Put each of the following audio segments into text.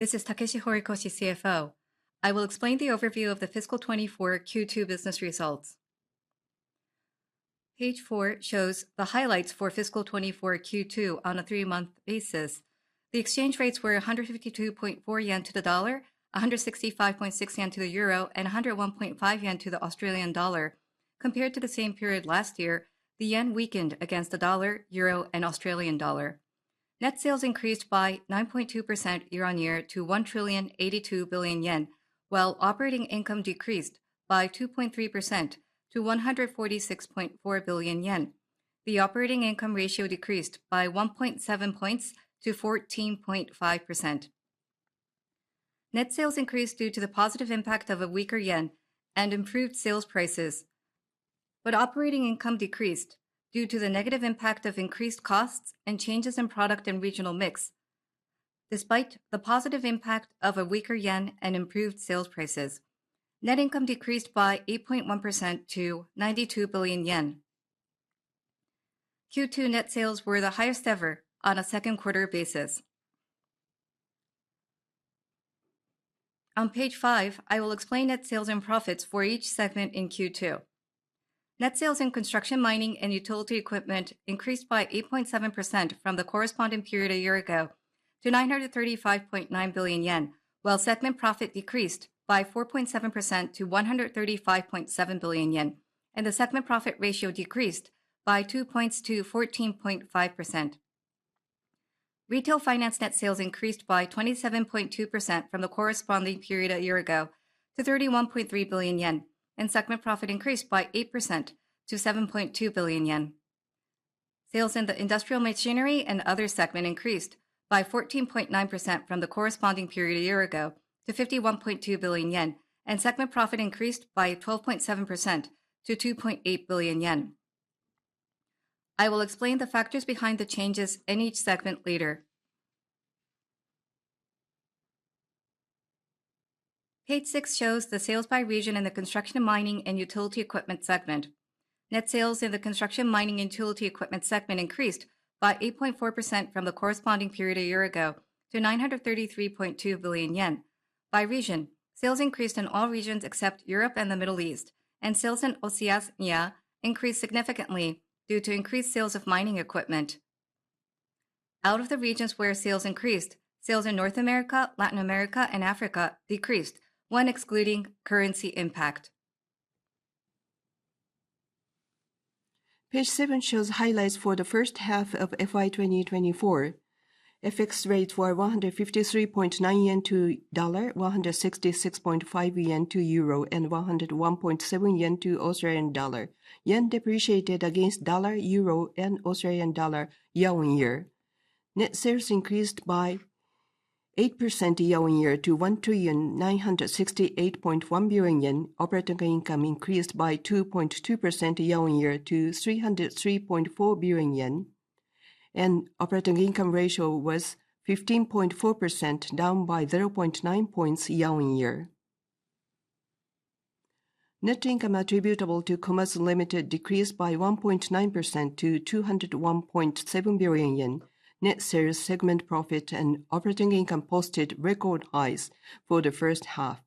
This is Takeshi Horikoshi, CFO. I will explain the overview of the Fiscal 2024 Q2 Business Results. Page four shows the highlights for fiscal 2024 Q2 on a three-month basis. The exchange rates were 152.4 yen to the dollar, 165.6 yen to the euro, and 101.5 yen to the Australian dollar. Compared to the same period last year, the yen weakened against the dollar, euro, and Australian dollar. Net sales increased by 9.2% year-on-year to 1.082 trillion, while operating income decreased by 2.3% to 146.4 billion yen. The operating income ratio decreased by 1.7 points to 14.5%. Net sales increased due to the positive impact of a weaker yen and improved sales prices, but operating income decreased due to the negative impact of increased costs and changes in product and regional mix. Despite the positive impact of a weaker yen and improved sales prices, net income decreased by 8.1% to 92 billion yen. Q2 net sales were the highest ever on a second quarter basis. On page five, I will explain net sales and profits for each segment in Q2. Net sales in construction, mining, and utility equipment increased by 8.7% from the corresponding period a year ago to 935.9 billion yen, while segment profit decreased by 4.7% to 135.7 billion yen, and the segment profit ratio decreased by 2 points to 14.5%. Retail Finance net sales increased by 27.2% from the corresponding period a year ago to 31.3 billion yen, and segment profit increased by 8% to 7.2 billion yen. Sales in the Industrial Machinery and Others segment increased by 14.9% from the corresponding period a year ago to 51.2 billion yen, and segment profit increased by 12.7% to 2.8 billion yen. I will explain the factors behind the changes in each segment later. Page six shows the sales by region in the Construction, Mining, and Utility Equipment segment. Net sales in the Construction, Mining, and Utility Equipment segment increased by 8.4% from the corresponding period a year ago to 933.2 billion yen. By region, sales increased in all regions except Europe and the Middle East, and sales in Oceania increased significantly due to increased sales of mining equipment. Out of the regions where sales increased, sales in North America, Latin America, and Africa decreased when excluding currency impact. Page seven shows highlights for the first half of FY 2024. FX rates were 153.9 yen to dollar, 166.5 yen to euro, and 101.7 yen to Australian dollar. Yen depreciated against dollar, euro, and Australian dollar year-on-year. Net sales increased by 8% year-on-year to 1,968.1 billion yen. Operating income increased by 2.2% year-on-year to 303.4 billion yen, and operating income ratio was 15.4%, down by 0.9 points year-on-year. Net income attributable to Komatsu Limited decreased by 1.9% to 201.7 billion yen. Net sales, segment profit, and operating income posted record highs for the first half.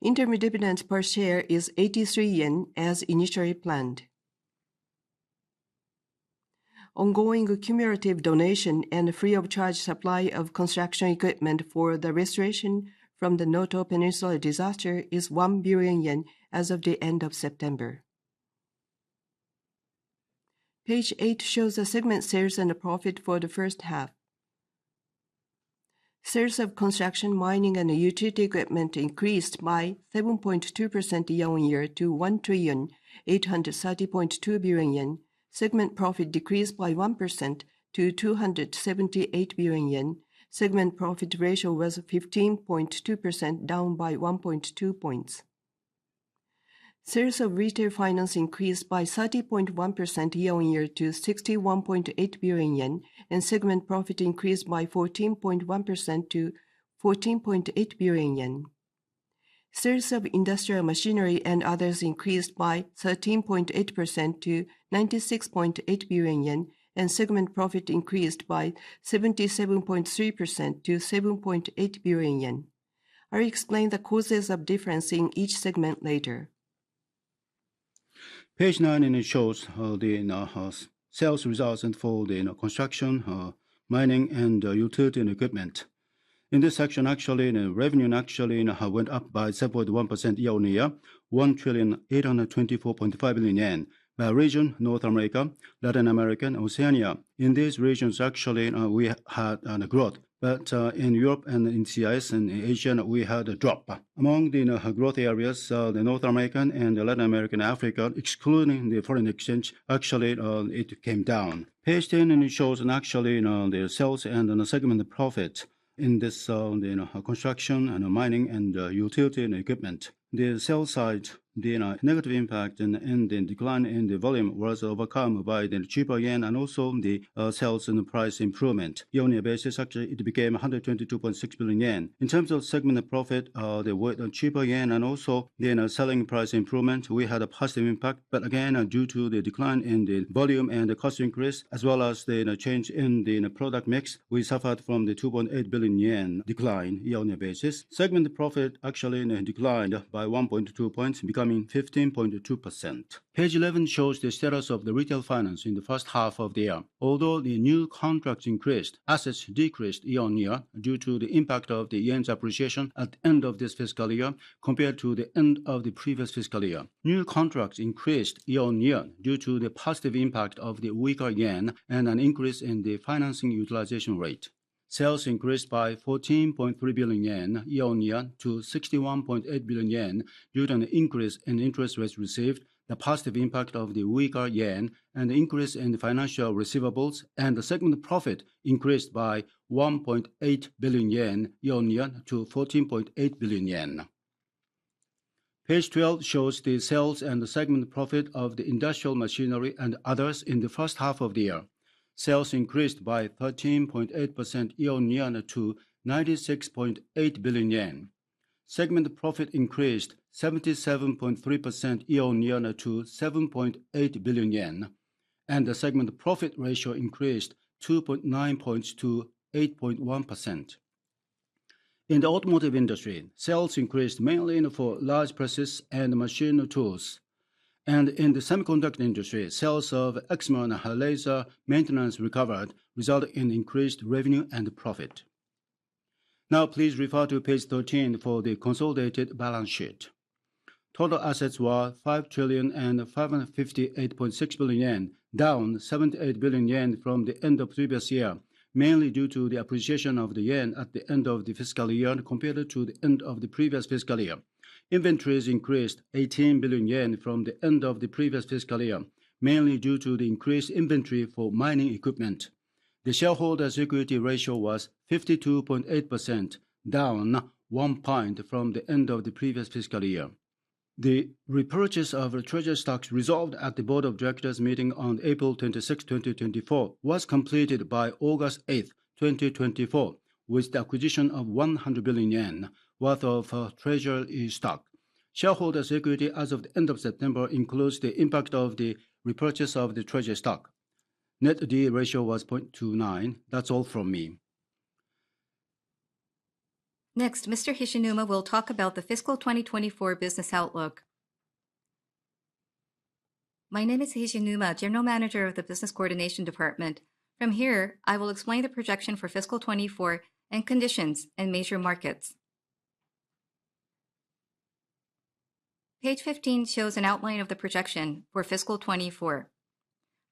Interim dividends per share is 83 yen, as initially planned. Ongoing cumulative donation and free-of-charge supply of construction equipment for the restoration from the Noto Peninsula disaster is 1 billion yen as of the end of September. Page eight shows the segment sales and the profit for the first half. Sales of construction, mining, and utility equipment increased by 7.2% year-on-year to 1,830.2 billion yen. Segment profit decreased by 1% to 278 billion yen. Segment profit ratio was 15.2%, down by 1.2 points. Sales of retail finance increased by 30.1% year-on-year to 61.8 billion yen, and segment profit increased by 14.1% to 14.8 billion yen. Sales of industrial machinery and others increased by 13.8% to 96.8 billion yen, and segment profit increased by 77.3% to 7.8 billion yen. I'll explain the causes of difference in each segment later. Page nine shows the sales results for the, you know, construction, mining, and utility equipment. In this section, actually, the revenue actually went up by 7.1% year-on-year, 1,824.5 billion yen. By region, North America, Latin America, and Oceania, in these regions, actually, we had growth. But in Europe and in CIS and Asia, we had a drop. Among the growth areas, the North American and the Latin American, Africa, excluding the foreign exchange, actually, it came down. Page ten shows actually, you know, the sales and the segment profit in this the construction, mining, and utility equipment. The sales side, the negative impact and the decline in the volume was overcome by the cheaper yen and also the sales and the price improvement. Year-on-year basis, actually, it became 122.6 billion yen. In terms of segment profit, the cheaper yen and also the selling price improvement, we had a positive impact, but again, due to the decline in the volume and the cost increase, as well as the change in the product mix, we suffered from the 2.8 billion yen decline year-on-year basis. Segment profit actually declined by 1.2 points, becoming 15.2%. Page 11 shows the status of the retail finance in the first half of the year. Although the new contracts increased, assets decreased year-on-year due to the impact of the yen's appreciation at the end of this fiscal year compared to the end of the previous fiscal year. New contracts increased year-on-year due to the positive impact of the weaker yen and an increase in the financing utilization rate. Sales increased by 14.3 billion yen year-on-year to 61.8 billion yen, due to an increase in interest rates received, the positive impact of the weaker yen, and increase in financial receivables, and the segment profit increased by 1.8 billion yen year-on-year to 14.8 billion yen. Page twelve shows the sales and the segment profit of the Industrial Machinery & Others in the first half of the year. Sales increased by 13.8% year-on-year to 96.8 billion yen. Segment profit increased 77.3% year-on-year to 7.8 billion yen, and the segment profit ratio increased 2.9 points to 8.1%. In the automotive industry, sales increased mainly for large presses and machine tools, and in the semiconductor industry, sales of excimer laser maintenance recovered, resulting in increased revenue and profit. Now, please refer to page 13 for the consolidated balance sheet. Total assets were 5,558.6 billion yen, down 78 billion yen from the end of previous year, mainly due to the appreciation of the yen at the end of the fiscal year compared to the end of the previous fiscal year. Inventories increased 18 billion yen from the end of the previous fiscal year, mainly due to the increased inventory for mining equipment. The shareholders' equity ratio was 52.8%, down one point from the end of the previous fiscal year. The repurchase of treasury stocks resolved at the Board of Directors meeting on April 26th, 2024, was completed by August 8th, 2024, with the acquisition of 100 billion yen worth of treasury stock. Shareholders' equity as of the end of September includes the impact of the repurchase of the treasury stock. Net debt ratio was 0.29. That's all from me. Next, Mr. Hishinuma will talk about the fiscal 2024 business outlook. My name is Hishinuma, General Manager of the Business Coordination Department. From here, I will explain the projection for fiscal 2024 and conditions in major markets. Page fifteen shows an outline of the projection for fiscal 2024.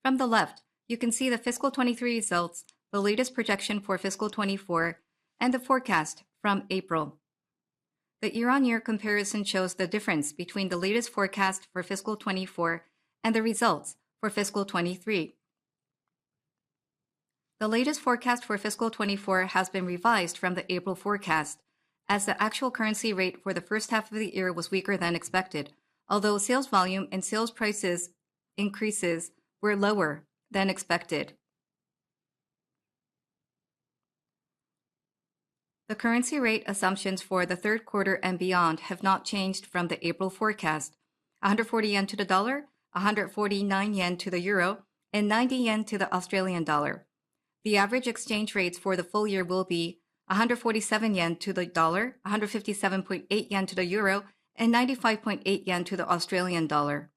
From the left, you can see the fiscal 2023 results, the latest projection for fiscal 2024, and the forecast from April. The year-on-year comparison shows the difference between the latest forecast for fiscal 2024 and the results for fiscal 2023. The latest forecast for fiscal 2024 has been revised from the April forecast, as the actual currency rate for the first half of the year was weaker than expected, although sales volume and sales prices increases were lower than expected. The currency rate assumptions for the third quarter and beyond have not changed from the April forecast: 140 yen to the dollar, 149 yen to the euro, and 90 yen to the Australian dollar. The average exchange rates for the full year will be 147 yen to the dollar, 157.8 yen to the euro, and 95.8 yen to the Australian dollar.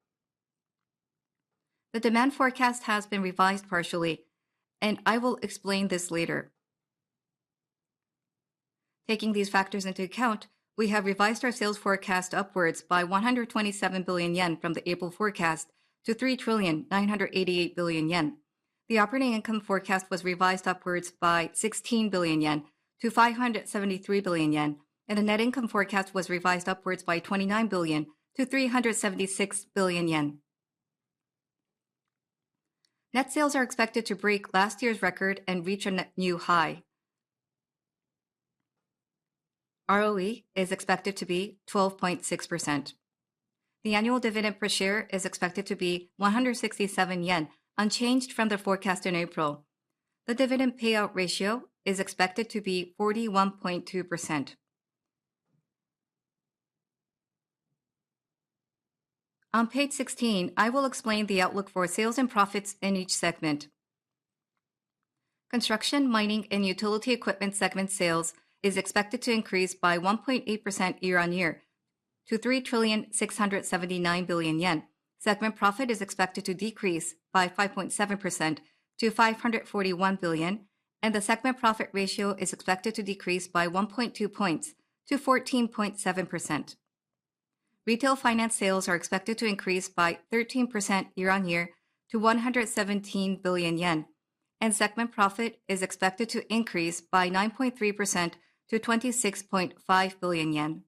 The demand forecast has been revised partially, and I will explain this later. Taking these factors into account, we have revised our sales forecast upwards by 127 billion yen from the April forecast to 3.988 trillion. The operating income forecast was revised upwards by 16 billion-573 billion yen, and the net income forecast was revised upwards by 29 billion to 376 billion yen. Net sales are expected to break last year's record and reach a new high. ROE is expected to be 12.6%. The annual dividend per share is expected to be 167 yen, unchanged from the forecast in April. The dividend payout ratio is expected to be 41.2%. On page 16, I will explain the outlook for sales and profits in each segment. Construction, mining, and utility equipment segment sales is expected to increase by 1.8% year-on-year to 3 trillion, 679 billion. Segment profit is expected to decrease by 5.7% to 541 billion, and the segment profit ratio is expected to decrease by 1.2 points to 14.7%. Retail finance sales are expected to increase by 13% year-on-year to 117 billion yen, and segment profit is expected to increase by 9.3% to 26.5 billion yen.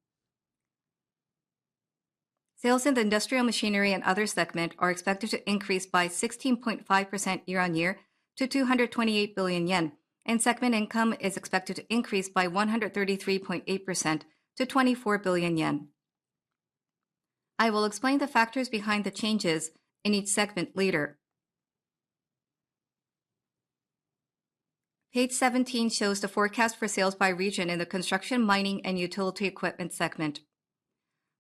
Sales in the industrial machinery and other segment are expected to increase by 16.5% year-on-year to 228 billion yen, and segment income is expected to increase by 133.8% to 24 billion yen. I will explain the factors behind the changes in each segment later. Page 17 shows the forecast for sales by region in the construction, mining, and utility equipment segment.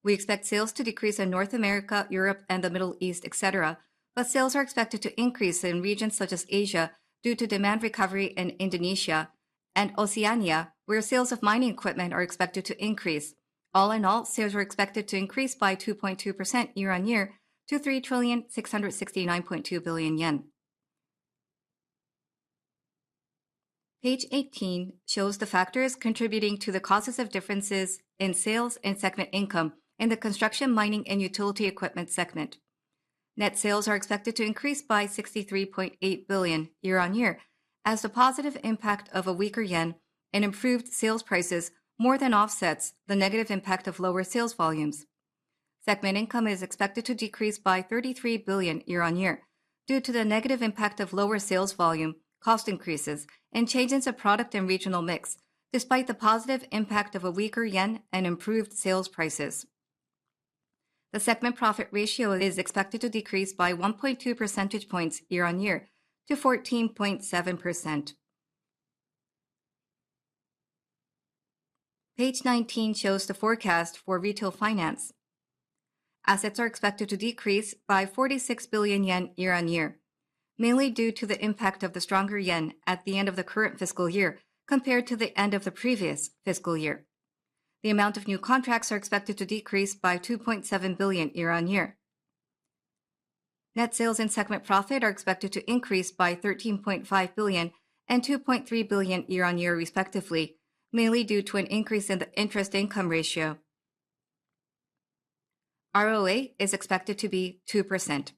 We expect sales to decrease in North America, Europe, and the Middle East, etc., but sales are expected to increase in regions such as Asia, due to demand recovery in Indonesia and Oceania, where sales of mining equipment are expected to increase. All in all, sales are expected to increase by 2.2% year-on-year to JPY 3,669.2 billion. Page 18 shows the factors contributing to the causes of differences in sales and segment income in the construction, mining, and utility equipment segment. Net sales are expected to increase by 63.8 billion year-on-year, as the positive impact of a weaker yen and improved sales prices more than offsets the negative impact of lower sales volumes. Segment income is expected to decrease by 33 billion year-on-year due to the negative impact of lower sales volume, cost increases, and changes of product and regional mix, despite the positive impact of a weaker yen and improved sales prices. The segment profit ratio is expected to decrease by 1.2 percentage points year-on-year to 14.7%. Page 19 shows the forecast for Retail Finance. Assets are expected to decrease by 46 billion yen year-on-year, mainly due to the impact of the stronger yen at the end of the current fiscal year compared to the end of the previous fiscal year. The amount of new contracts are expected to decrease by 2.7 billion year-on-year. Net sales and segment profit are expected to increase by 13.5 billion and 2.3 billion year-on-year, respectively, mainly due to an increase in the interest income ratio. ROA is expected to be 2%.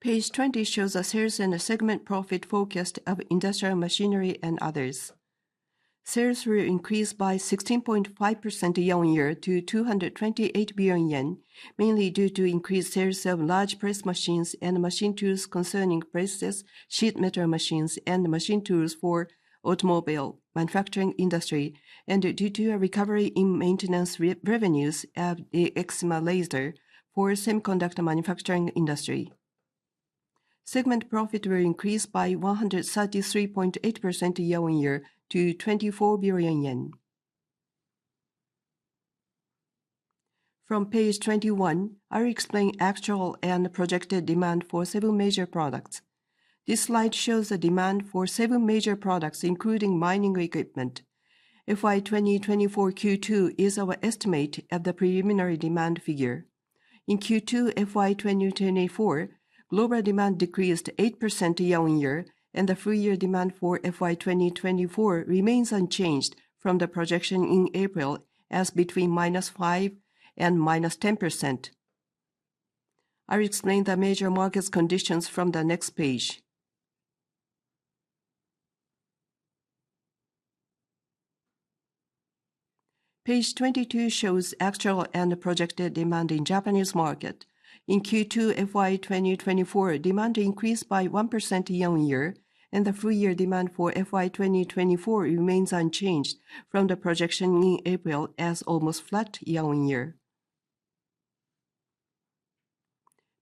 Page 20 shows the sales and the segment profit forecast of industrial machinery and others. Sales will increase by 16.5% year-on-year to 228 billion yen, mainly due to increased sales of large press machines and machine tools concerning presses, sheet metal machines, and machine tools for automobile manufacturing industry, and due to a recovery in maintenance revenues of the excimer laser for semiconductor manufacturing industry. Segment profit will increase by 133.8% year-on-year to JPY 24 billion. From page 21, I'll explain actual and projected demand for several major products. This slide shows the demand for seven major products, including mining equipment. FY2024 Q2 is our estimate at the preliminary demand figure. In Q2 FY 2024, global demand decreased 8% year-on-year, and the full year demand for FY 2024 remains unchanged from the projection in April, as between -5% and -10%. I'll explain the major market conditions from the next page. Page 22 shows actual and projected demand in Japanese market. In Q2 FY 2024, demand increased by 1% year-on-year, and the full year demand for FY 2024 remains unchanged from the projection in April as almost flat year-on-year.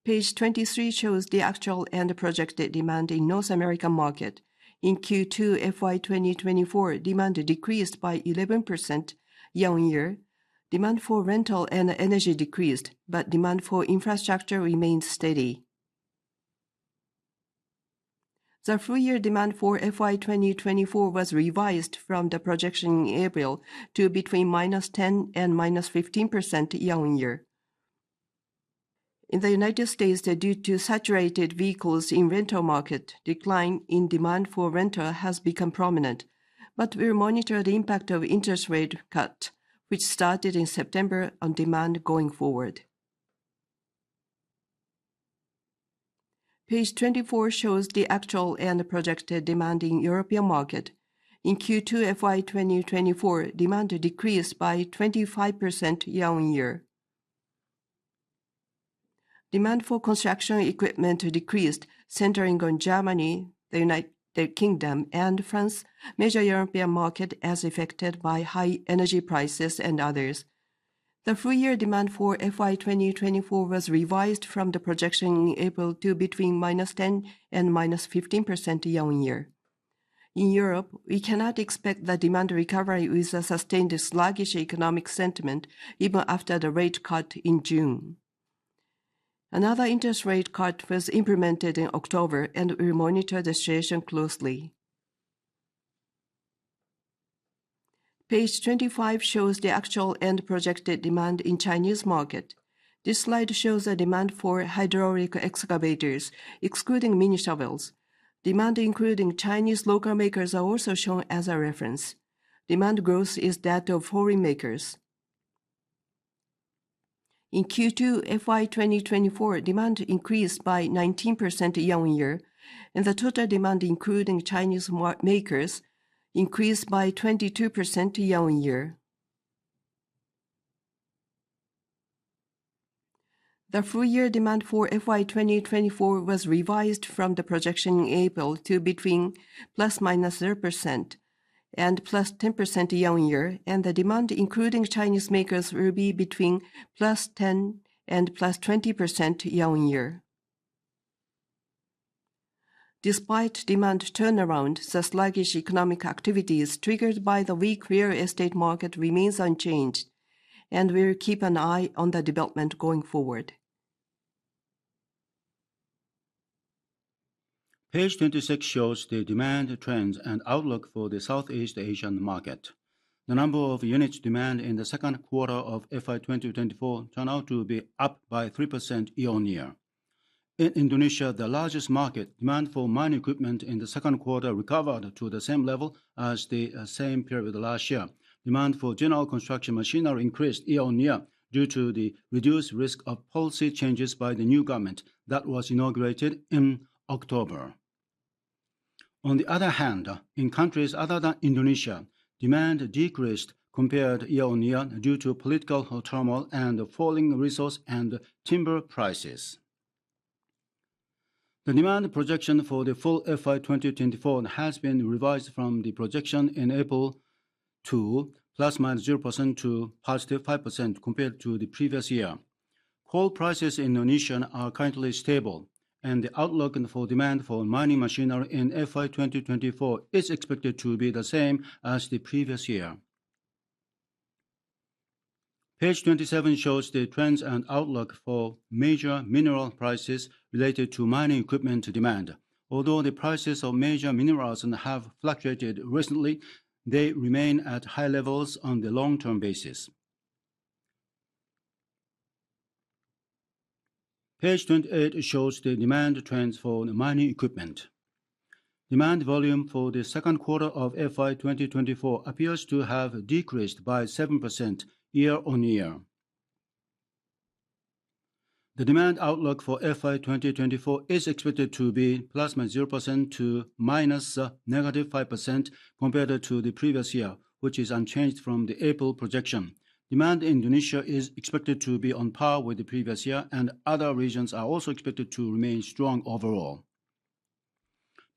Page 23 shows the actual and projected demand in North American market. In Q2 FY 2024, demand decreased by 11% year-on-year. Demand for rental and energy decreased, but demand for infrastructure remained steady. The full year demand for FY 2024 was revised from the projection in April to between -10% and -15% year-on-year. In the United States, due to saturated vehicles in rental market, decline in demand for rental has become prominent, but we'll monitor the impact of interest rate cut, which started in September, on demand going forward. Page 24 shows the actual and projected demand in European market. In Q2 FY 2024, demand decreased by 25% year-on-year. Demand for construction equipment decreased, centering on Germany, the United Kingdom, and France, major European market as affected by high energy prices and others. The full year demand for FY 2024 was revised from the projection in April to between -10% and -15% year-on-year. In Europe, we cannot expect the demand recovery with a sustained sluggish economic sentiment even after the rate cut in June. Another interest rate cut was implemented in October, and we monitor the situation closely. Page 25 shows the actual and projected demand in Chinese market. This slide shows the demand for hydraulic excavators, excluding mini shovels. Demand, including Chinese local makers, are also shown as a reference. Demand growth is that of foreign makers. In Q2 FY 2024, demand increased by 19% year-on-year, and the total demand, including Chinese makers, increased by 22% year-on-year. The full year demand for FY 2024 was revised from the projection in April to between +/- 0% and +10% year-on-year, and the demand, including Chinese makers, will be between +10% and +20% year-on-year. Despite demand turnaround, the sluggish economic activities triggered by the weak real estate market remains unchanged, and we'll keep an eye on the development going forward. Page 26 shows the demand trends and outlook for the Southeast Asian market. The number of units demand in the second quarter of FY 2024 turned out to be up by 3% year-on-year. In Indonesia, the largest market, demand for mining equipment in the second quarter recovered to the same level as the same period last year. Demand for general construction machinery increased year-on-year due to the reduced risk of policy changes by the new government that was inaugurated in October. On the other hand, in countries other than Indonesia, demand decreased compared year-on-year due to political turmoil and falling resource and timber prices. The demand projection for the full FY 2024 has been revised from the projection in April to plus minus 0% to positive 5% compared to the previous year. Coal prices in Indonesia are currently stable, and the outlook for demand for mining machinery in FY 2024 is expected to be the same as the previous year. Page 27 shows the trends and outlook for major mineral prices related to mining equipment demand. Although the prices of major minerals have fluctuated recently, they remain at high levels on the long-term basis. Page 28 shows the demand trends for the mining equipment. Demand volume for the second quarter of FY 2024 appears to have decreased by 7% year-on-year. The demand outlook for FY 2024 is expected to be ±0% to -5% compared to the previous year, which is unchanged from the April projection. Demand in Indonesia is expected to be on par with the previous year, and other regions are also expected to remain strong overall.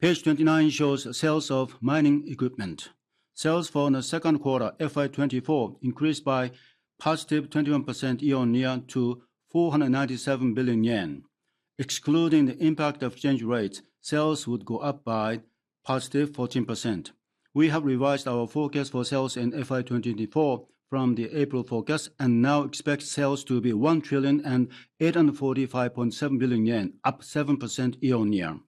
Page 29 shows sales of mining equipment. Sales for the second quarter, FY 2024, increased by positive 21% year-on-year to 497 billion yen. Excluding the impact of exchange rates, sales would go up by positive 14%. We have revised our forecast for sales in FY 2024 from the April forecast and now expect sales to be 1 trillion and 845.7 billion, up 7% year-on-year.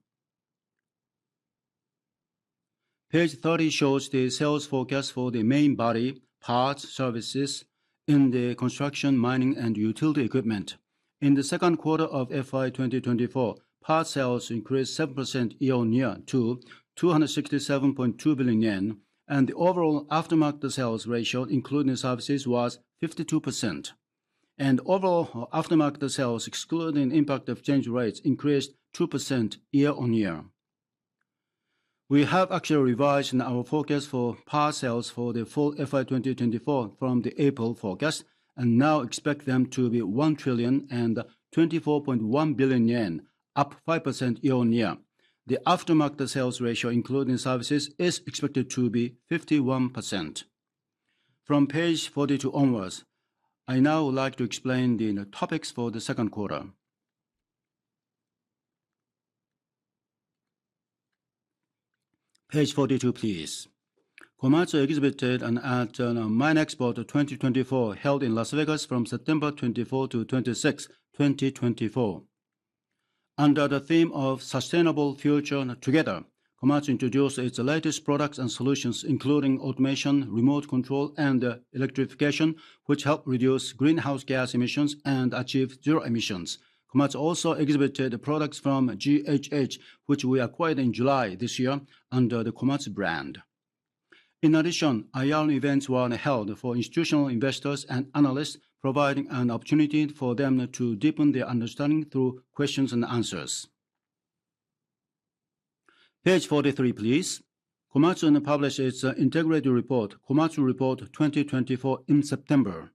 Page 30 shows the sales forecast for the main body, parts, services in the construction, mining, and utility equipment. In the second quarter of FY 2024, part sales increased 7% year-on-year to 267.2 billion yen, and the overall aftermarket sales ratio, including services, was 52%. Overall, aftermarket sales, excluding impact of exchange rates, increased 2% year-on-year. We have actually revised our forecast for parts sales for the full FY2024 from the April forecast and now expect them to be 1,024.1 billion yen, up 5% year-on-year. The aftermarket sales ratio, including services, is expected to be 51%. From page 42 onwards, I now would like to explain the topics for the second quarter. Page 42, please. Komatsu exhibited at MINExpo 2024, held in Las Vegas from September 24 to 26, 2024. Under the theme of Sustainable Future Together, Komatsu introduced its latest products and solutions, including automation, remote control, and electrification, which help reduce greenhouse gas emissions and achieve zero emissions. Komatsu also exhibited products from GHH, which we acquired in July this year under the Komatsu brand. In addition, IR events were held for institutional investors and analysts, providing an opportunity for them to deepen their understanding through questions and answers. Page forty-three, please. Komatsu published its integrated report, Komatsu Report 2024, in September.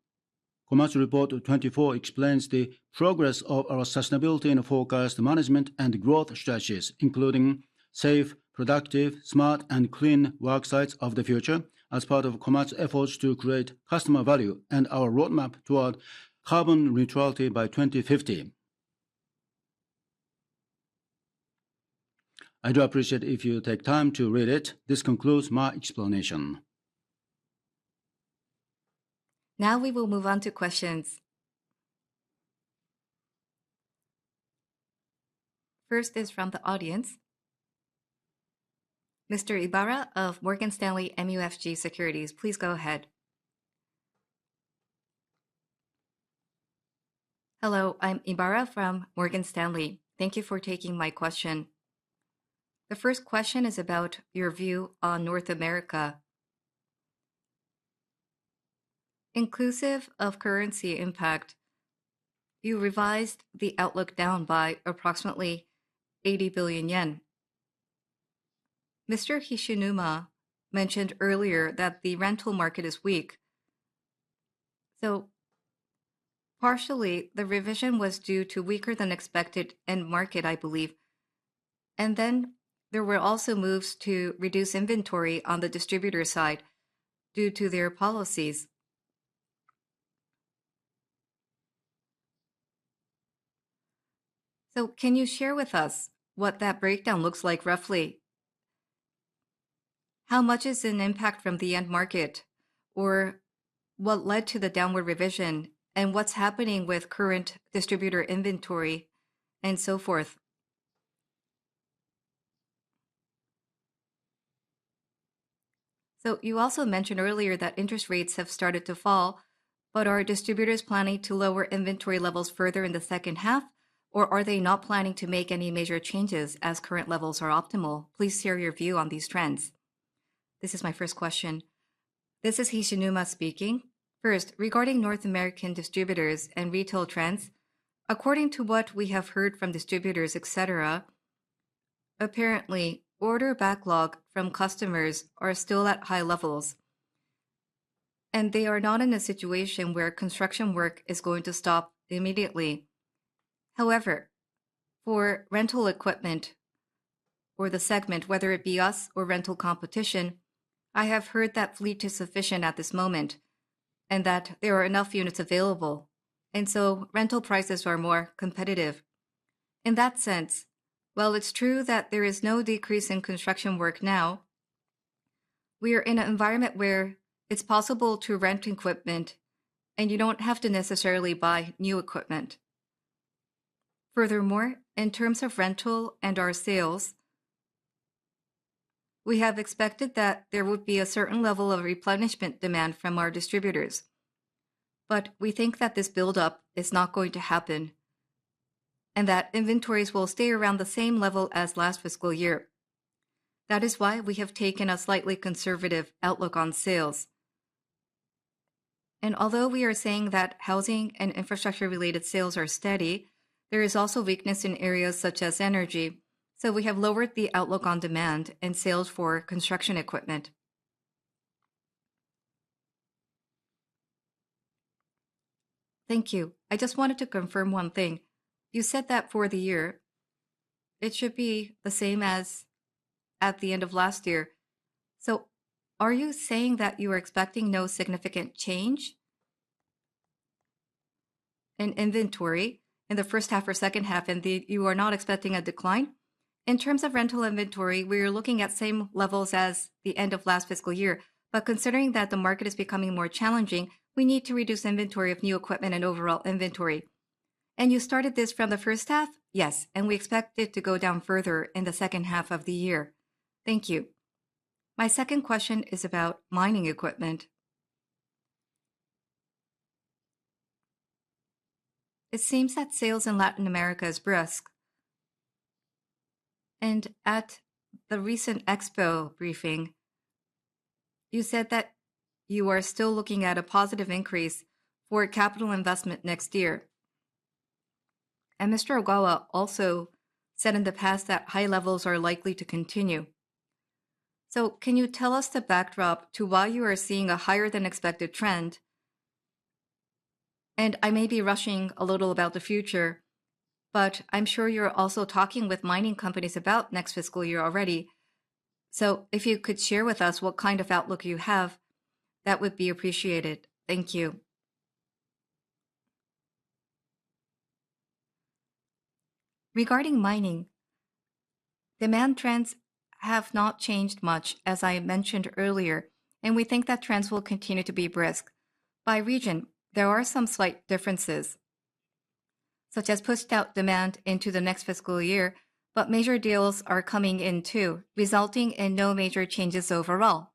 Komatsu Report 2024 explains the progress of our sustainability and forecast management and growth strategies, including safe, productive, smart, and clean work sites of the future, as part of Komatsu's efforts to create customer value and our roadmap toward carbon neutrality by 2050. I do appreciate if you take time to read it. This concludes my explanation. Now we will move on to questions. First is from the audience. Mr. Ibara of Morgan Stanley MUFG Securities, please go ahead. Hello, I'm Ibara from Morgan Stanley. Thank you for taking my question. The first question is about your view on North America. Inclusive of currency impact, you revised the outlook down by approximately 80 billion yen. Mr. Hishinuma mentioned earlier that the rental market is weak, so partially the revision was due to weaker than expected end market, I believe. And then there were also moves to reduce inventory on the distributor side due to their policies. So can you share with us what that breakdown looks like roughly? How much is an impact from the end market, or what led to the downward revision, and what's happening with current distributor inventory and so forth?... You also mentioned earlier that interest rates have started to fall, but are distributors planning to lower inventory levels further in the second half? Or are they not planning to make any major changes as current levels are optimal? Please share your view on these trends. This is my first question. This is Hishinuma speaking. First, regarding North American distributors and retail trends, according to what we have heard from distributors, et cetera, apparently order backlog from customers are still at high levels, and they are not in a situation where construction work is going to stop immediately. However, for rental equipment or the segment, whether it be us or rental competition, I have heard that fleet is sufficient at this moment, and that there are enough units available, and so rental prices are more competitive. In that sense, while it's true that there is no decrease in construction work now, we are in an environment where it's possible to rent equipment, and you don't have to necessarily buy new equipment. Furthermore, in terms of rental and our sales, we have expected that there would be a certain level of replenishment demand from our distributors, but we think that this buildup is not going to happen, and that inventories will stay around the same level as last fiscal year. That is why we have taken a slightly conservative outlook on sales, and although we are saying that housing and infrastructure-related sales are steady, there is also weakness in areas such as energy, so we have lowered the outlook on demand and sales for construction equipment. Thank you. I just wanted to confirm one thing. You said that for the year, it should be the same as at the end of last year. So are you saying that you are expecting no significant change in inventory in the first half or second half, and you are not expecting a decline? In terms of rental inventory, we are looking at same levels as the end of last fiscal year. But considering that the market is becoming more challenging, we need to reduce inventory of new equipment and overall inventory. And you started this from the first half? Yes, and we expect it to go down further in the second half of the year. Thank you. My second question is about mining equipment. It seems that sales in Latin America is brisk, and at the recent expo briefing, you said that you are still looking at a positive increase for capital investment next year. And Mr. Ogawa also said in the past that high levels are likely to continue. So can you tell us the backdrop to why you are seeing a higher-than-expected trend? And I may be rushing a little about the future, but I'm sure you're also talking with mining companies about next fiscal year already. So if you could share with us what kind of outlook you have, that would be appreciated. Thank you. Regarding mining, demand trends have not changed much, as I mentioned earlier, and we think that trends will continue to be brisk. By region, there are some slight differences, such as pushed out demand into the next fiscal year, but major deals are coming in, too, resulting in no major changes overall.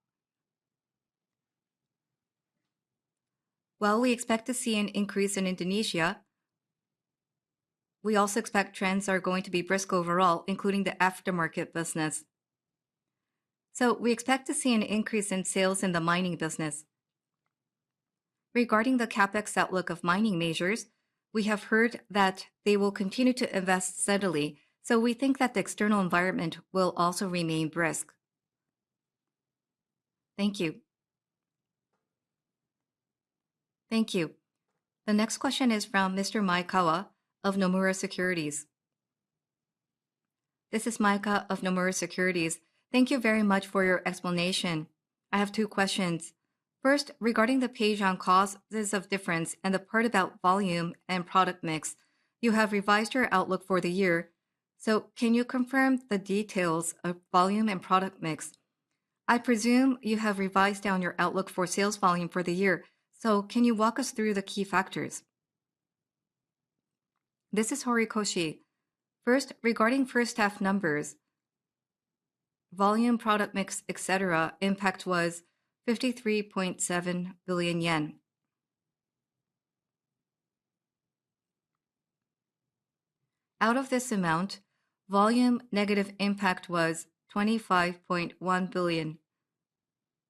While we expect to see an increase in Indonesia, we also expect trends are going to be brisk overall, including the aftermarket business. So we expect to see an increase in sales in the mining business. Regarding the CapEx outlook of mining majors, we have heard that they will continue to invest steadily, so we think that the external environment will also remain brisk. Thank you. Thank you. The next question is from Mr. Maekawa of Nomura Securities. This is Maekawa of Nomura Securities. Thank you very much for your explanation. I have two questions. First, regarding the page on causes of difference and the part about volume and product mix, you have revised your outlook for the year. So can you confirm the details of volume and product mix? I presume you have revised down your outlook for sales volume for the year. So can you walk us through the key factors? This is Horikoshi. First, regarding first half numbers, volume, product mix, et cetera, impact was JPY 53.7 billion. Out of this amount, volume negative impact was 25.1 billion,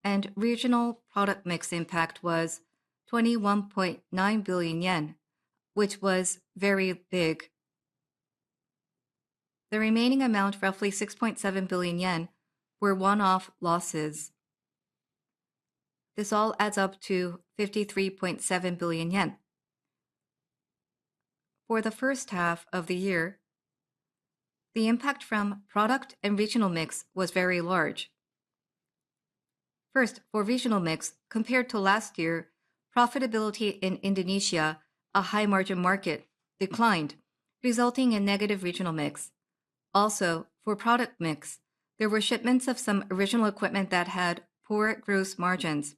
and regional product mix impact was 21.9 billion yen, which was very big. The remaining amount, roughly 6.7 billion yen, were one-off losses. This all adds up to 53.7 billion yen. For the first half of the year, the impact from product and regional mix was very large. First, for regional mix, compared to last year, profitability in Indonesia, a high-margin market, declined, resulting in negative regional mix. Also, for product mix, there were shipments of some original equipment that had poor gross margins....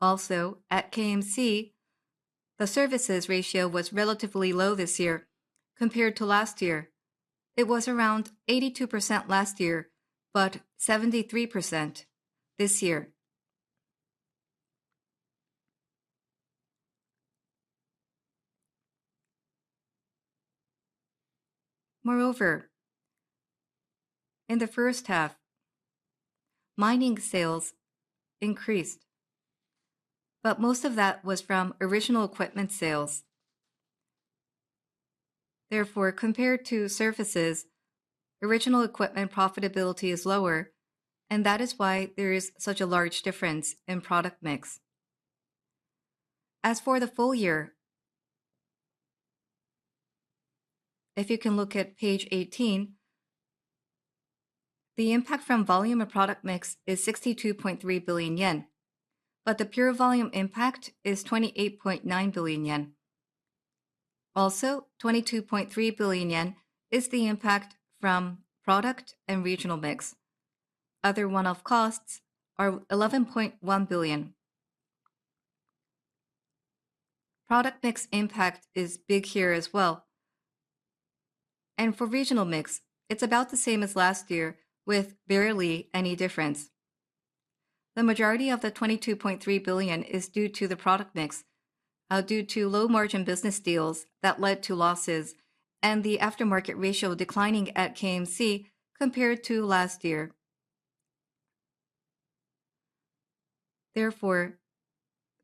Also, at KMC, the services ratio was relatively low this year compared to last year. It was around 82% last year, but 73% this year. Moreover, in the first half, mining sales increased, but most of that was from original equipment sales. Therefore, compared to services, original equipment profitability is lower, and that is why there is such a large difference in product mix. As for the full year, if you can look at page 18, the impact from volume and product mix is 62.3 billion yen, but the pure volume impact is 28.9 billion yen. Also, 22.3 billion yen is the impact from product and regional mix. Other one-off costs are 11.1 billion. Product mix impact is big here as well, and for regional mix, it's about the same as last year, with barely any difference. The majority of the 22.3 billion is due to the product mix, due to low margin business deals that led to losses and the aftermarket ratio declining at KMC compared to last year. Therefore,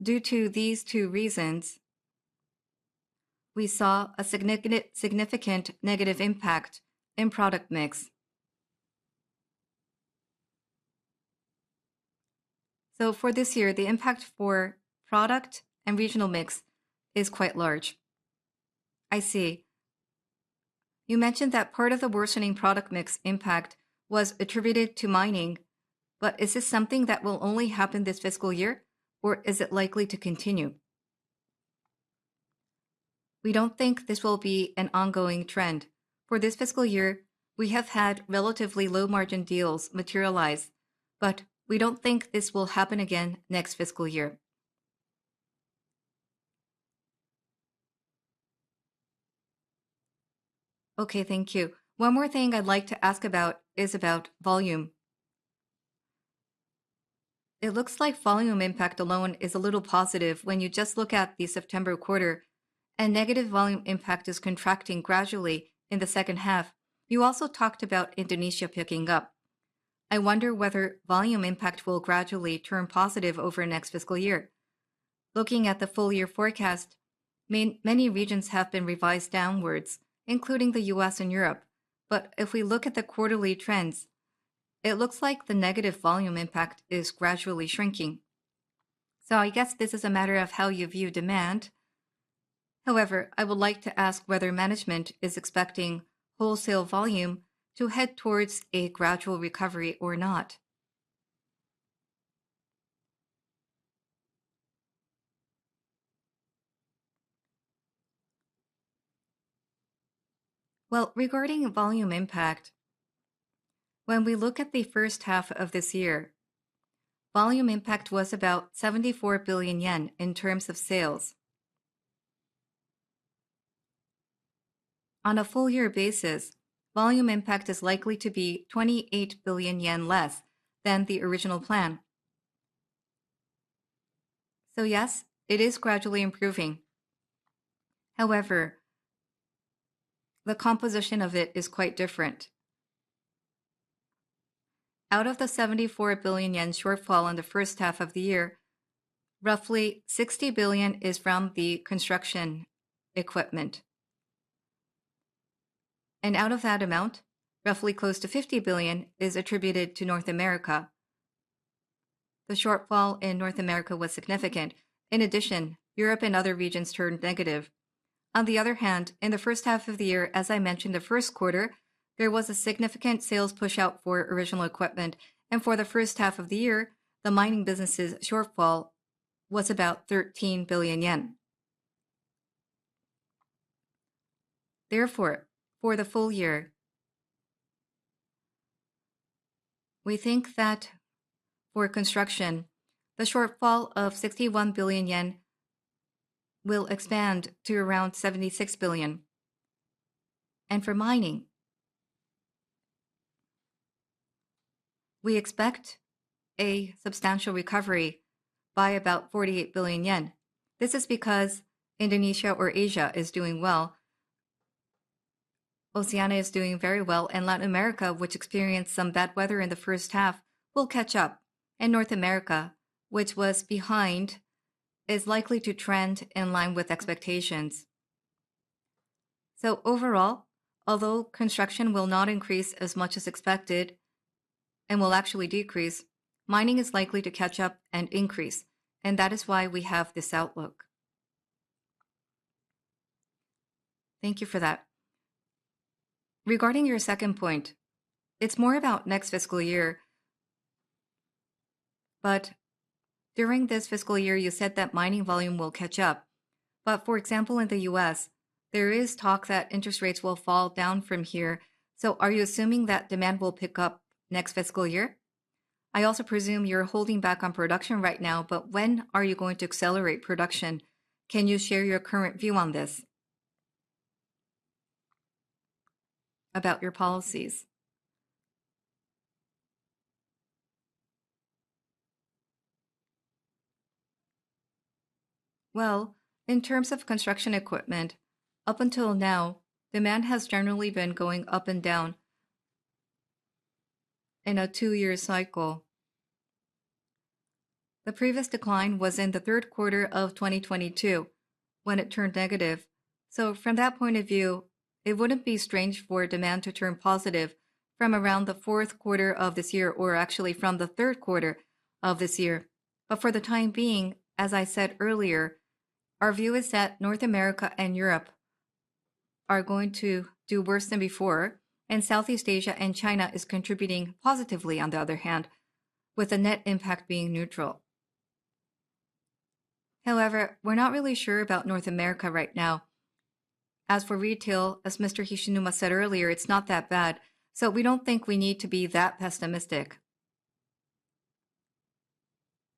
due to these two reasons, we saw a significant, significant negative impact in product mix. So for this year, the impact for product and regional mix is quite large. I see. You mentioned that part of the worsening product mix impact was attributed to mining, but is this something that will only happen this fiscal year, or is it likely to continue? We don't think this will be an ongoing trend. For this fiscal year, we have had relatively low margin deals materialize, but we don't think this will happen again next fiscal year. Okay, thank you. One more thing I'd like to ask about is about volume. It looks like volume impact alone is a little positive when you just look at the September quarter, and negative volume impact is contracting gradually in the second half. You also talked about Indonesia picking up. I wonder whether volume impact will gradually turn positive over the next fiscal year. Looking at the full year forecast, many regions have been revised downwards, including the U.S. and Europe. But if we look at the quarterly trends, it looks like the negative volume impact is gradually shrinking. So I guess this is a matter of how you view demand. However, I would like to ask whether management is expecting wholesale volume to head towards a gradual recovery or not? Well, regarding volume impact, when we look at the first half of this year, volume impact was about 74 billion yen in terms of sales. On a full year basis, volume impact is likely to be 28 billion yen less than the original plan. So yes, it is gradually improving. However, the composition of it is quite different. Out of the 74 billion yen shortfall in the first half of the year, roughly 60 billion is from the construction equipment. And out of that amount, roughly close to 50 billion is attributed to North America. The shortfall in North America was significant. In addition, Europe and other regions turned negative. On the other hand, in the first half of the year, as I mentioned, the first quarter, there was a significant sales push out for original equipment, and for the first half of the year, the mining business's shortfall was about JPY 13 billion. Therefore, for the full year, we think that for construction, the shortfall of 61 billion yen will expand to around 76 billion. And for mining, we expect a substantial recovery by about 48 billion yen. This is because Indonesia or Asia is doing well, Oceania is doing very well, and Latin America, which experienced some bad weather in the first half, will catch up, and North America, which was behind, is likely to trend in line with expectations. So overall, although construction will not increase as much as expected and will actually decrease, mining is likely to catch up and increase, and that is why we have this outlook. Thank you for that. Regarding your second point, it's more about next fiscal year, but during this fiscal year, you said that mining volume will catch up... but for example, in the U.S., there is talk that interest rates will fall down from here. So are you assuming that demand will pick up next fiscal year? I also presume you're holding back on production right now, but when are you going to accelerate production? Can you share your current view on this, about your policies? Well, in terms of construction equipment, up until now, demand has generally been going up and down in a two-year cycle. The previous decline was in the third quarter of 2022, when it turned negative. So from that point of view, it wouldn't be strange for demand to turn positive from around the fourth quarter of this year, or actually from the third quarter of this year. But for the time being, as I said earlier, our view is that North America and Europe are going to do worse than before, and Southeast Asia and China is contributing positively, on the other hand, with the net impact being neutral. However, we're not really sure about North America right now. As for retail, as Mr. Hishinuma said earlier, it's not that bad, so we don't think we need to be that pessimistic.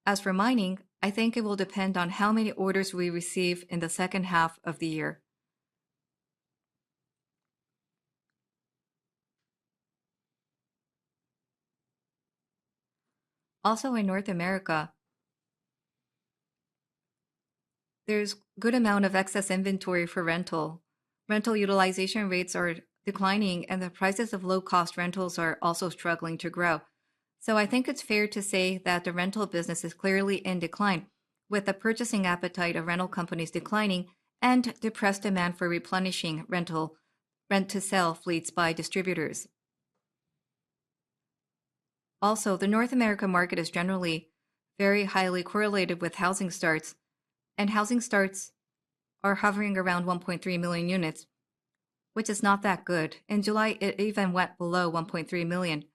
As for mining, I think it will depend on how many orders we receive in the second half of the year. Also, in North America, there's good amount of excess inventory for rental. Rental utilization rates are declining, and the prices of low-cost rentals are also struggling to grow. So I think it's fair to say that the rental business is clearly in decline, with the purchasing appetite of rental companies declining and depressed demand for replenishing rental, rent-to-sell fleets by distributors. Also, the North America market is generally very highly correlated with housing starts, and housing starts are hovering around 1.3 million units, which is not that good. In July, it even went below 1.3 million.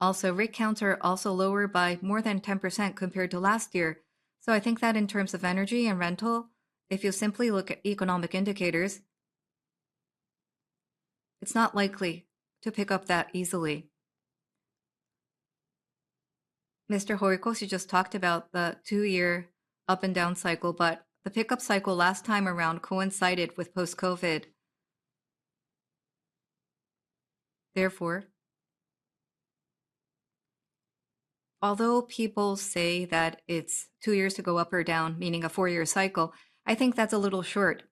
Also, rig counts are also lower by more than 10% compared to last year. So I think that in terms of energy and rental, if you simply look at economic indicators, it's not likely to pick up that easily. Mr. Horikoshi just talked about the two-year up and down cycle, but the pickup cycle last time around coincided with post-COVID. Therefore, although people say that it's two years to go up or down, meaning a four-year cycle, I think that's a little short.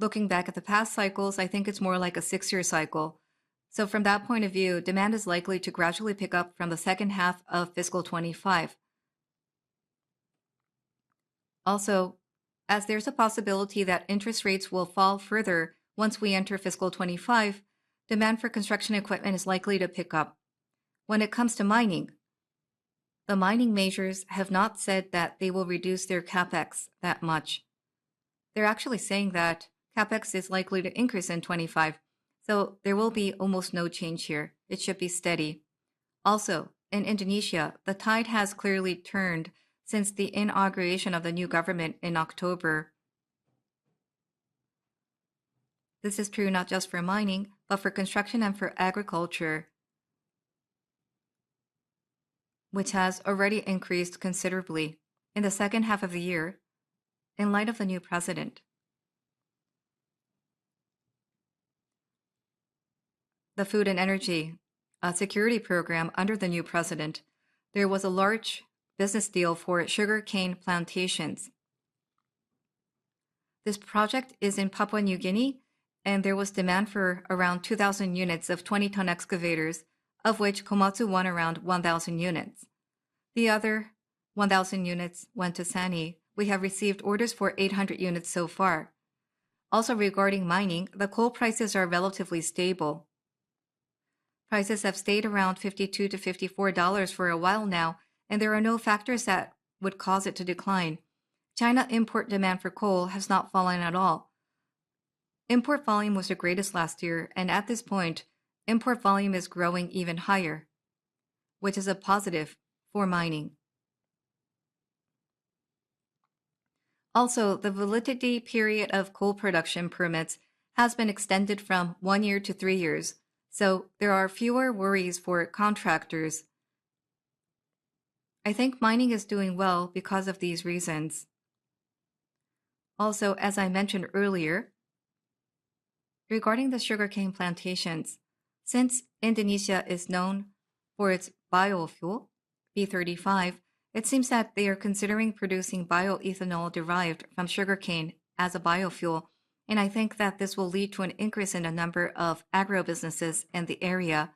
Looking back at the past cycles, I think it's more like a six-year cycle. So from that point of view, demand is likely to gradually pick up from the second half of fiscal 2025. Also, as there's a possibility that interest rates will fall further once we enter fiscal 2025, demand for construction equipment is likely to pick up. When it comes to mining, the mining majors have not said that they will reduce their CapEx that much. They're actually saying that CapEx is likely to increase in 2025, so there will be almost no change here. It should be steady. Also, in Indonesia, the tide has clearly turned since the inauguration of the new government in October. This is true not just for mining, but for construction and for agriculture, which has already increased considerably in the second half of the year in light of the new president. The Food and Energy Security Program under the new president, there was a large business deal for sugar cane plantations. This project is in Papua New Guinea, and there was demand for around 2,000 units of 20-ton excavators, of which Komatsu won around 1,000 units. The other 1,000 units went to SANY. We have received orders for 800 units so far. Also, regarding mining, the coal prices are relatively stable. Prices have stayed around $52-$54 for a while now, and there are no factors that would cause it to decline. China import demand for coal has not fallen at all. Import volume was the greatest last year, and at this point, import volume is growing even higher, which is a positive for mining. Also, the validity period of coal production permits has been extended from one year to three years, so there are fewer worries for contractors. I think mining is doing well because of these reasons. Also, as I mentioned earlier, regarding the sugarcane plantations, since Indonesia is known for its biofuel, B35, it seems that they are considering producing bioethanol derived from sugarcane as a biofuel, and I think that this will lead to an increase in the number of agro businesses in the area.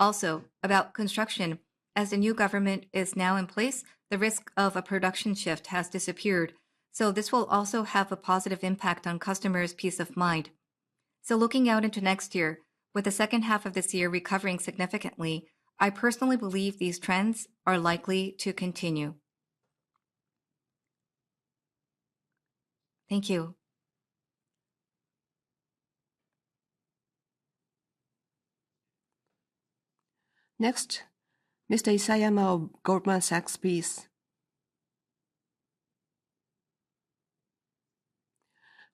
Also, about construction, as the new government is now in place, the risk of a production shift has disappeared, so this will also have a positive impact on customers' peace of mind. So looking out into next year, with the second half of this year recovering significantly, I personally believe these trends are likely to continue. Thank you. Next, Mr. Isayama of Goldman Sachs, please.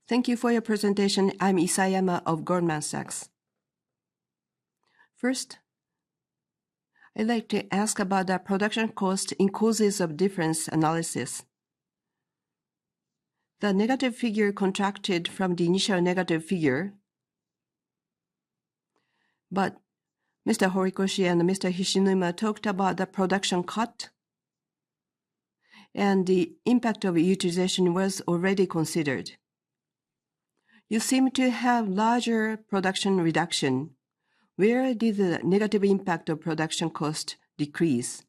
Thank you for your presentation. I'm Isayama of Goldman Sachs. First, I'd like to ask about the production cost in causes of difference analysis. The negative figure contracted from the initial negative figure, but Mr. Horikoshi and Mr. Hishinuma talked about the production cut, and the impact of utilization was already considered. You seem to have larger production reduction. Where did the negative impact of production cost decrease?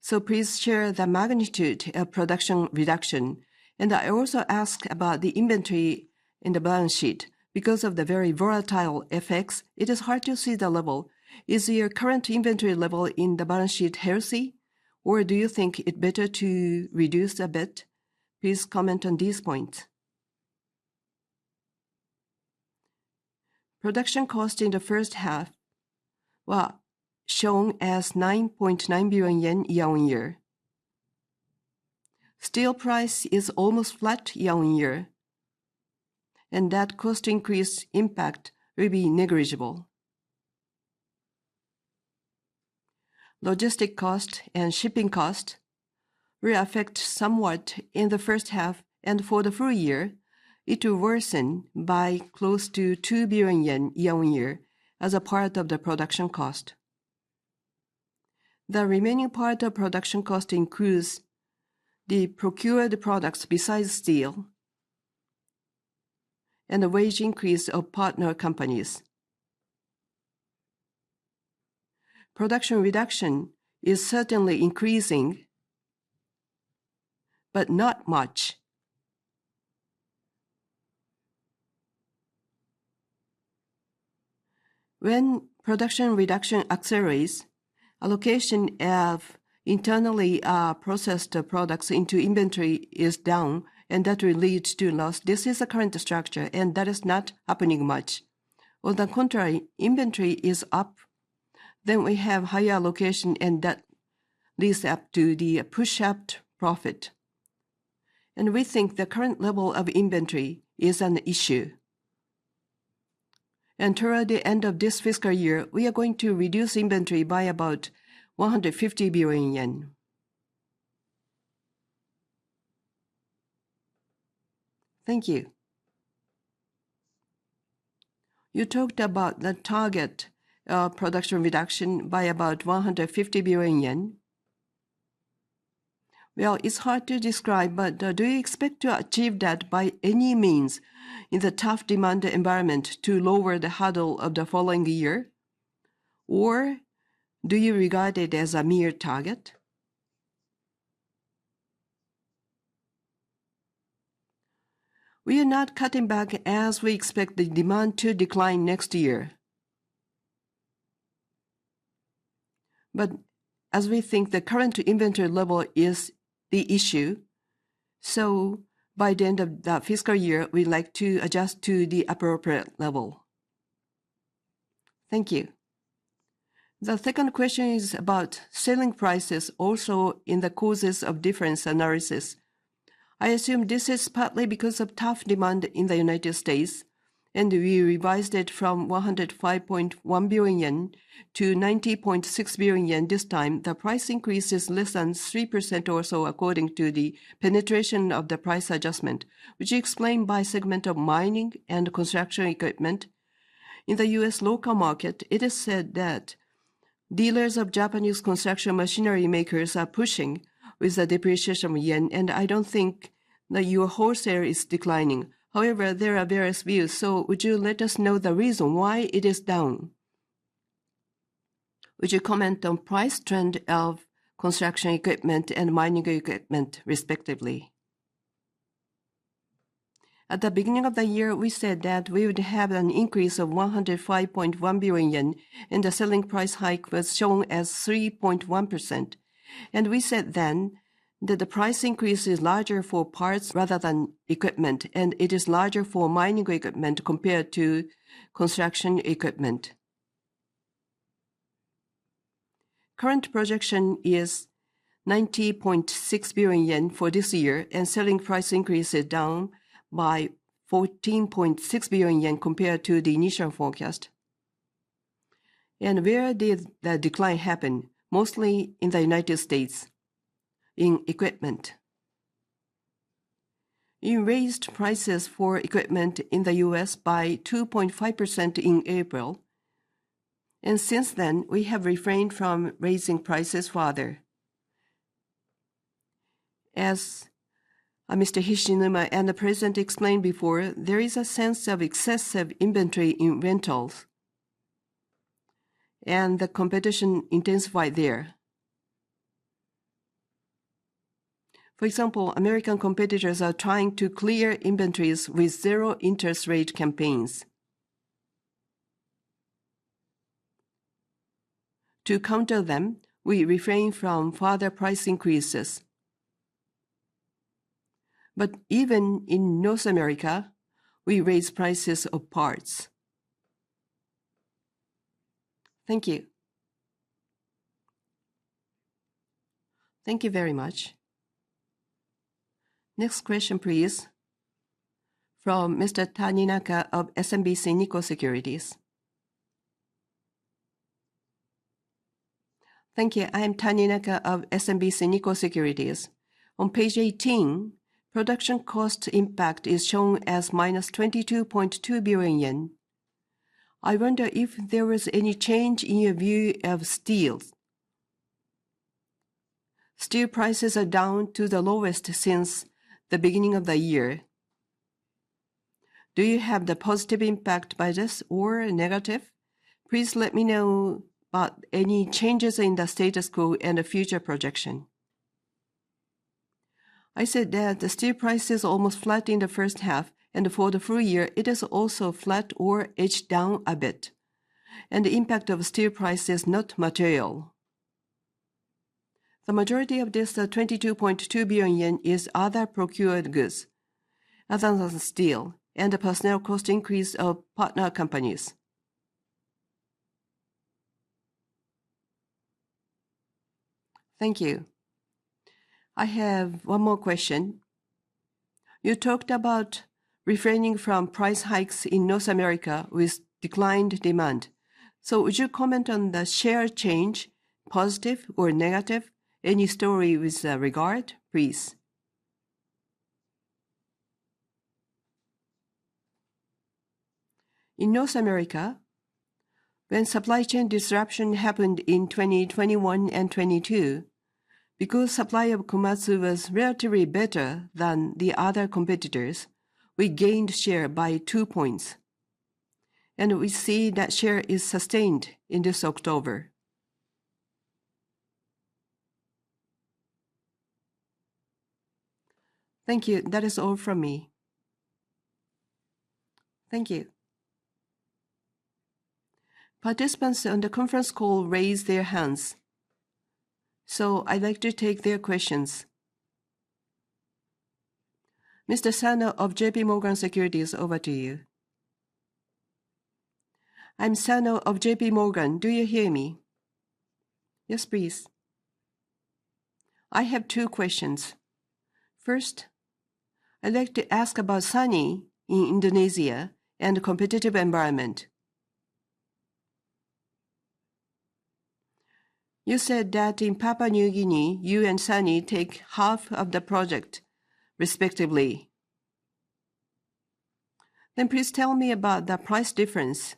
So please share the magnitude of production reduction. And I also ask about the inventory in the balance sheet. Because of the very volatile effects, it is hard to see the level. Is your current inventory level in the balance sheet healthy, or do you think it better to reduce a bit? Please comment on these points. Production cost in the first half were shown as JPY 9.9 billion year-on-year. Steel price is almost flat year-on-year, and that cost increase impact will be negligible. Logistics cost and shipping cost will affect somewhat in the first half, and for the full year, it will worsen by close to 2 billion yen year-on-year as a part of the production cost. The remaining part of production cost includes the procured products besides steel and the wage increase of partner companies. Production reduction is certainly increasing, but not much. When production reduction accelerates, allocation of internally processed products into inventory is down, and that will lead to loss. This is the current structure, and that is not happening much. On the contrary, inventory is up, then we have higher allocation, and that leads up to the push-out profit. And we think the current level of inventory is an issue. And toward the end of this fiscal year, we are going to reduce inventory by about 150 billion yen. Thank you. You talked about the target, production reduction by about 150 billion yen. Well, it's hard to describe, but, do you expect to achieve that by any means in the tough demand environment to lower the hurdle of the following year? Or do you regard it as a mere target? We are not cutting back as we expect the demand to decline next year. But as we think the current inventory level is the issue, so by the end of the fiscal year, we'd like to adjust to the appropriate level. Thank you. The second question is about selling prices, also in the causes of difference analysis. I assume this is partly because of tough demand in the United States, and we revised it from 105.1 billion-90.6 billion yen this time. The price increase is less than 3% or so, according to the penetration of the price adjustment, which explained by segment of mining and construction equipment. In the U.S. local market, it is said that dealers of Japanese construction machinery makers are pushing with the depreciation of yen, and I don't think that your wholesale is declining. However, there are various views, so would you let us know the reason why it is down? Would you comment on price trend of construction equipment and mining equipment, respectively? At the beginning of the year, we said that we would have an increase of 105.1 billion yen, and the selling price hike was shown as 3.1%. We said then that the price increase is larger for parts rather than equipment, and it is larger for mining equipment compared to construction equipment. Current projection is 90.6 billion yen for this year, and selling price increase is down by 14.6 billion yen compared to the initial forecast. Where did the decline happen? Mostly in the United States, in equipment. We raised prices for equipment in the U.S. by 2.5% in April, and since then, we have refrained from raising prices further. As Mr. Hishinuma and the president explained before, there is a sense of excessive inventory in rentals and the competition intensified there. For example, American competitors are trying to clear inventories with zero interest rate campaigns. To counter them, we refrain from further price increases… but even in North America, we raise prices of parts. Thank you. Thank you very much. Next question, please, from Mr. Taninaka of SMBC Nikko Securities. Thank you. I am Taninaka of SMBC Nikko Securities. On page 18, production cost impact is shown as minus 22.2 billion yen. I wonder if there was any change in your view of steel? Steel prices are down to the lowest since the beginning of the year. Do you have the positive impact by this or negative? Please let me know about any changes in the status quo and the future projection. I said that the steel price is almost flat in the first half, and for the full year, it is also flat or edged down a bit, and the impact of steel price is not material. The majority of this 22.2 billion yen is other procured goods, other than steel, and the personnel cost increase of partner companies. Thank you. I have one more question. You talked about refraining from price hikes in North America with declined demand. So would you comment on the share change, positive or negative, any story with regard, please? In North America, when supply chain disruption happened in 2021 and 2022, because supply of Komatsu was relatively better than the other competitors, we gained share by 2 points, and we see that share is sustained in this October. Thank you. That is all from me. Thank you. Participants on the conference call raised their hands, so I'd like to take their questions. Mr. Sano of J.P. Morgan Securities, over to you. I'm Sano of J.P. Morgan. Do you hear me? Yes, please. I have two questions. First, I'd like to ask about SANY in Indonesia and competitive environment. You said that in Papua New Guinea, you and SANY take half of the project, respectively. Then please tell me about the price difference.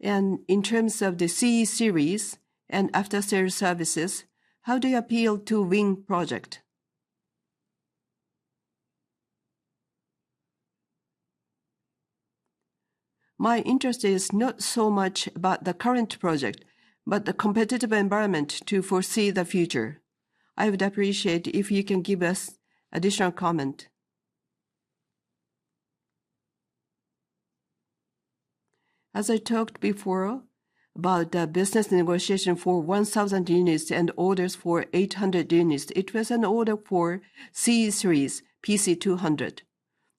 And in terms of the CE Series and after-sales services, how do you appeal to win project? My interest is not so much about the current project, but the competitive environment to foresee the future. I would appreciate if you can give us additional comment. As I talked before about the business negotiation for one thousand units and orders for eight hundred units, it was an order for CE Series, PC200.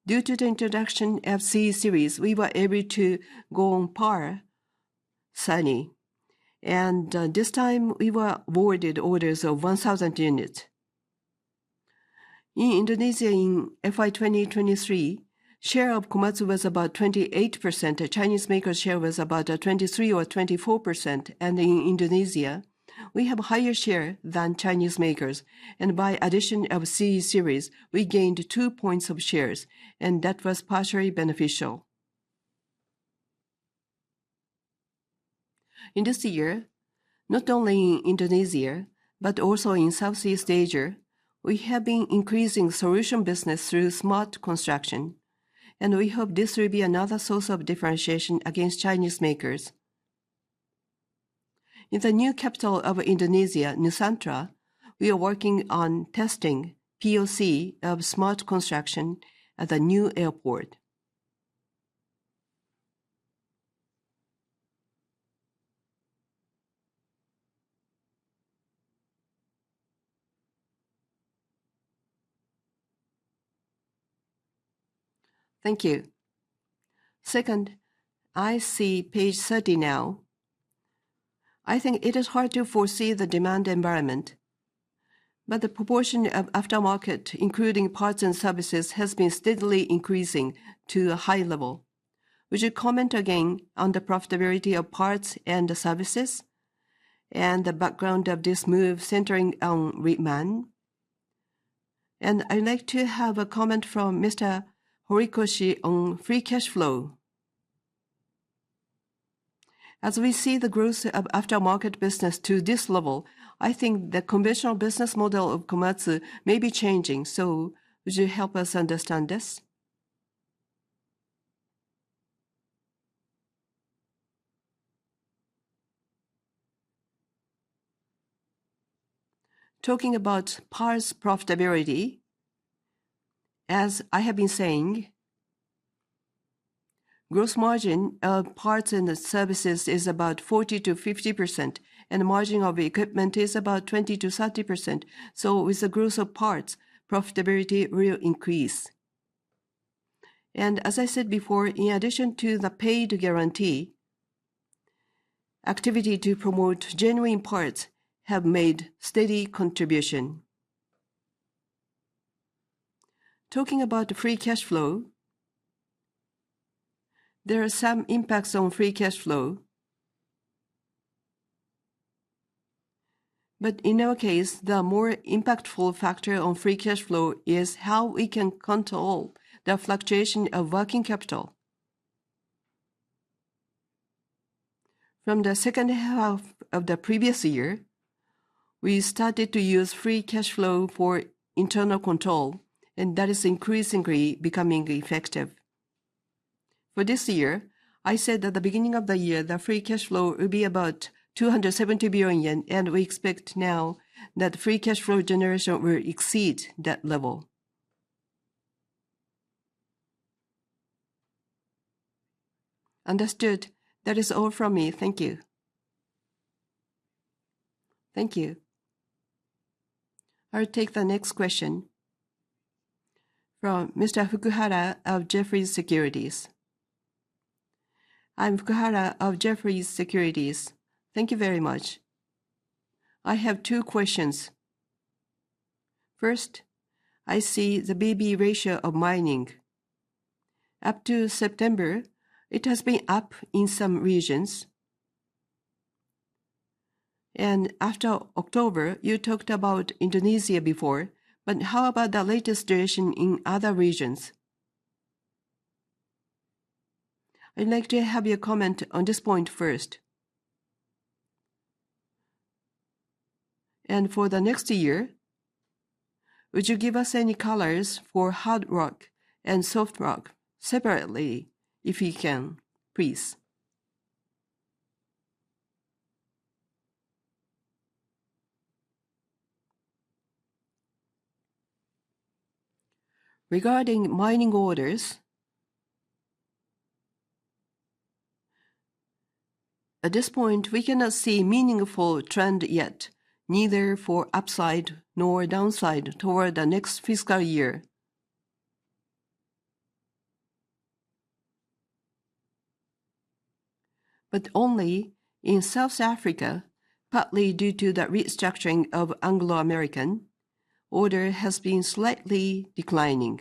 Due to the introduction of CE Series, we were able to go on par with SANY, and this time we were awarded orders of 1,000 units. In Indonesia, in FY 2023, share of Komatsu was about 28%, and Chinese maker share was about 23% or 24%. In Indonesia, we have higher share than Chinese makers, and by addition of CE Series, we gained 2 points of shares, and that was partially beneficial. In this year, not only in Indonesia, but also in Southeast Asia, we have been increasing solution business through Smart Construction, and we hope this will be another source of differentiation against Chinese makers. In the new capital of Indonesia, Nusantara, we are working on testing PoC of Smart Construction at the new airport. Thank you. Second, I see page 30 now. I think it is hard to foresee the demand environment, but the proportion of aftermarket, including parts and services, has been steadily increasing to a high level. Would you comment again on the profitability of parts and services and the background of this move centering on reman? And I'd like to have a comment from Mr. Horikoshi on free cash flow. As we see the growth of aftermarket business to this level, I think the conventional business model of Komatsu may be changing. So would you help us understand this? Talking about parts profitability, as I have been saying. Gross margin, parts and services is about 40%-50%, and margin of equipment is about 20%-30%. So with the growth of parts, profitability will increase. And as I said before, in addition to the paid guarantee, activity to promote genuine parts have made steady contribution. Talking about the free cash flow, there are some impacts on free cash flow. But in our case, the more impactful factor on free cash flow is how we can control the fluctuation of working capital. From the second half of the previous year, we started to use free cash flow for internal control, and that is increasingly becoming effective. For this year, I said at the beginning of the year, the free cash flow will be about 270 billion yen, and we expect now that free cash flow generation will exceed that level. Understood. That is all from me. Thank you. Thank you. I'll take the next question from Mr. Fukuhara of Jefferies Securities. I'm Fukuhara of Jefferies Securities. Thank you very much. I have two questions. First, I see the BB ratio of mining. Up to September, it has been up in some regions. After October, you talked about Indonesia before, but how about the latest situation in other regions? I'd like to have your comment on this point first. For the next year, would you give us any colors for hard rock and soft rock separately, if you can, please? Regarding mining orders, at this point, we cannot see meaningful trend yet, neither for upside nor downside toward the next fiscal year. But only in South Africa, partly due to the restructuring of Anglo American, order has been slightly declining.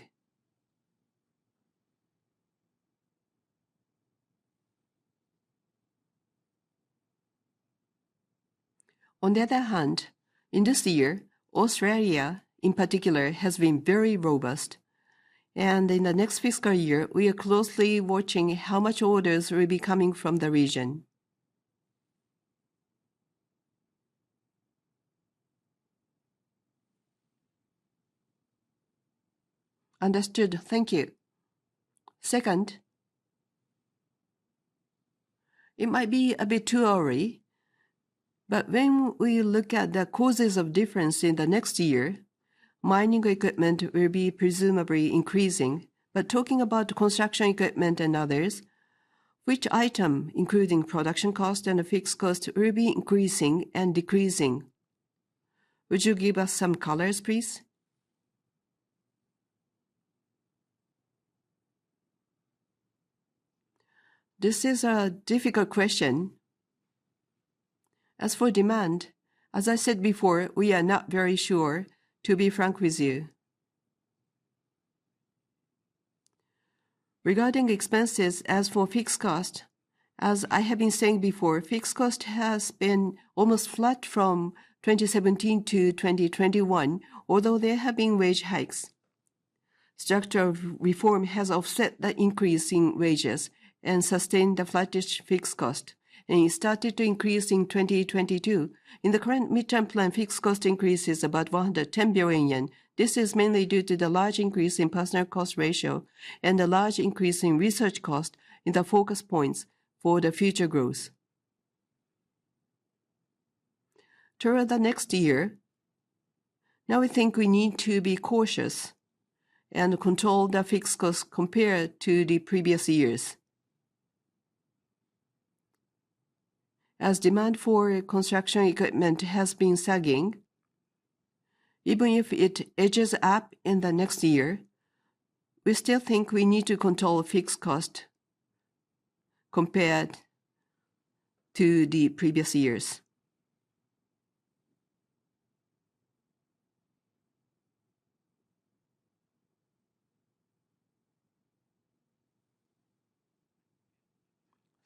On the other hand, in this year, Australia, in particular, has been very robust, and in the next fiscal year, we are closely watching how much orders will be coming from the region. Understood. Thank you. Second, it might be a bit too early, but when we look at the causes of difference in the next year, mining equipment will be presumably increasing. But talking about construction equipment and others, which item, including production cost and fixed cost, will be increasing and decreasing? Would you give us some colors, please? This is a difficult question. As for demand, as I said before, we are not very sure, to be frank with you. Regarding expenses, as for fixed cost, as I have been saying before, fixed cost has been almost flat from 2017 to 2021, although there have been wage hikes. Structural reform has offset the increase in wages and sustained the flattish fixed cost, and it started to increase in 2022. In the current midterm plan, fixed cost increase is about 110 billion yen. This is mainly due to the large increase in personnel cost ratio and the large increase in research cost in the focus points for the future growth. Toward the next year, now we think we need to be cautious and control the fixed cost compared to the previous years. As demand for construction equipment has been sagging, even if it edges up in the next year, we still think we need to control fixed cost compared to the previous years.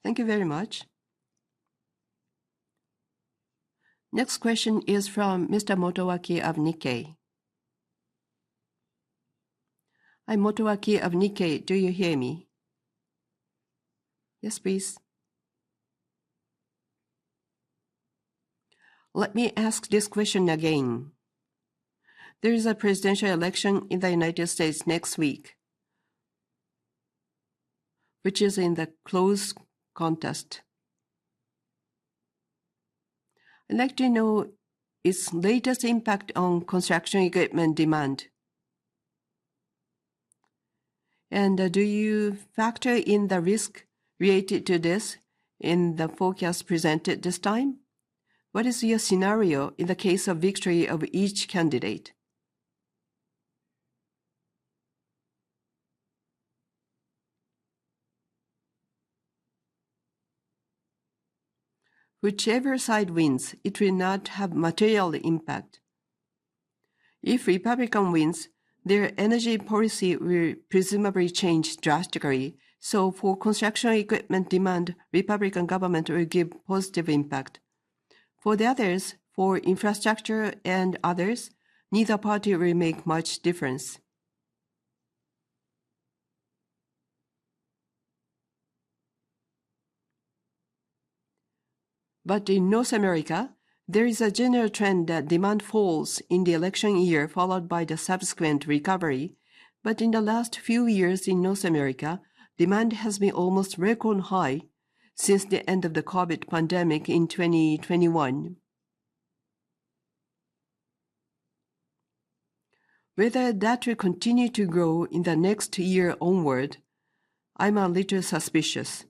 Thank you very much. Next question is from Mr. Motowaki of Nikkei. I'm Motowaki of Nikkei. Do you hear me? Yes, please. Let me ask this question again. There is a presidential election in the United States next week, which is in the close contest. I'd like to know its latest impact on construction equipment demand. Do you factor in the risk related to this in the forecast presented this time? What is your scenario in the case of victory of each candidate? Whichever side wins, it will not have material impact. If Republican wins, their energy policy will presumably change drastically. So for construction equipment demand, Republican government will give positive impact. For the others, for infrastructure and others, neither party will make much difference. But in North America, there is a general trend that demand falls in the election year, followed by the subsequent recovery. But in the last few years in North America, demand has been almost record high since the end of the COVID pandemic in 2021. Whether that will continue to grow in the next year onward, I'm a little suspicious.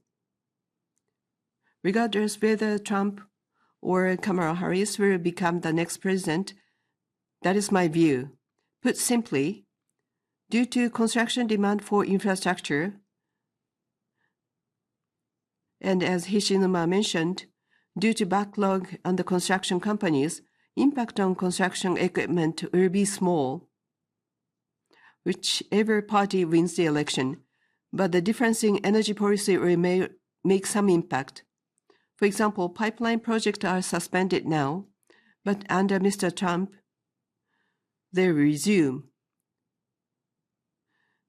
Regardless whether Trump or Kamala Harris will become the next president, that is my view. Put simply, due to construction demand for infrastructure, and as Hishinuma mentioned, due to backlog on the construction companies, impact on construction equipment will be small whichever party wins the election. But the difference in energy policy may make some impact. For example, pipeline projects are suspended now, but under Mr. Trump, they resume.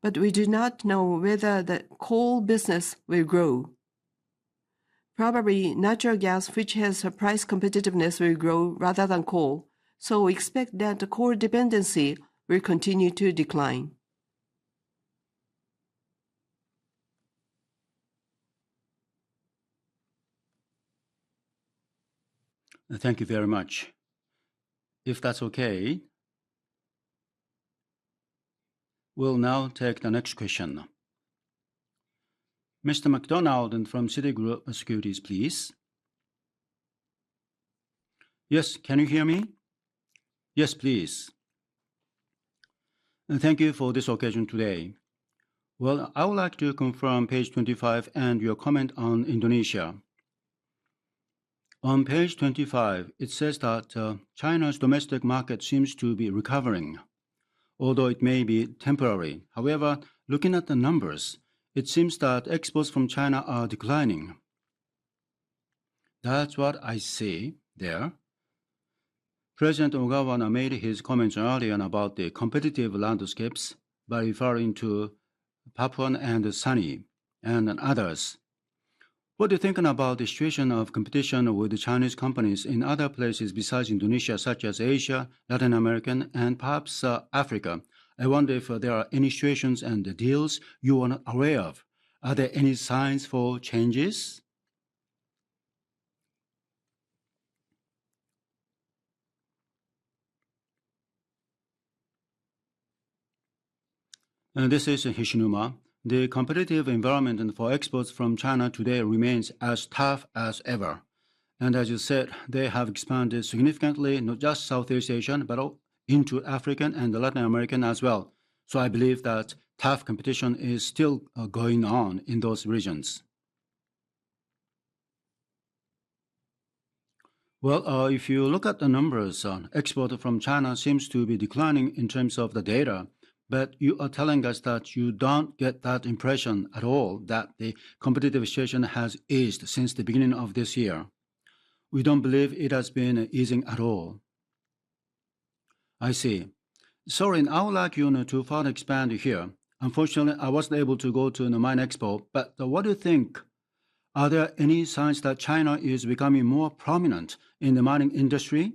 But we do not know whether the coal business will grow. Probably, natural gas, which has a price competitiveness, will grow rather than coal, so we expect that the coal dependency will continue to decline. Thank you very much. If that's okay, we'll now take the next question. Mr. McDonald from Citigroup Securities, please. Yes, can you hear me? Yes, please. And thank you for this occasion today. Well, I would like to confirm page 25 and your comment on Indonesia. On page 25, it says that China's domestic market seems to be recovering, although it may be temporary. However, looking at the numbers, it seems that exports from China are declining. That's what I see there. President Ogawa made his comments earlier about the competitive landscapes by referring to Pengpu and SANY and others. What are you thinking about the situation of competition with the Chinese companies in other places besides Indonesia, such as Asia, Latin America, and perhaps Africa? I wonder if there are any situations and deals you are not aware of. Are there any signs for changes? This is Hishinuma. The competitive environment and for exports from China today remains as tough as ever, and as you said, they have expanded significantly, not just Southeast Asia, but also into Africa and Latin America as well, so I believe that tough competition is still going on in those regions. If you look at the numbers, export from China seems to be declining in terms of the data, but you are telling us that you don't get that impression at all, that the competitive situation has eased since the beginning of this year. We don't believe it has been easing at all. I see. So I would like you to further expand here. Unfortunately, I wasn't able to go to the MINExpo, but what do you think, are there any signs that China is becoming more prominent in the mining industry?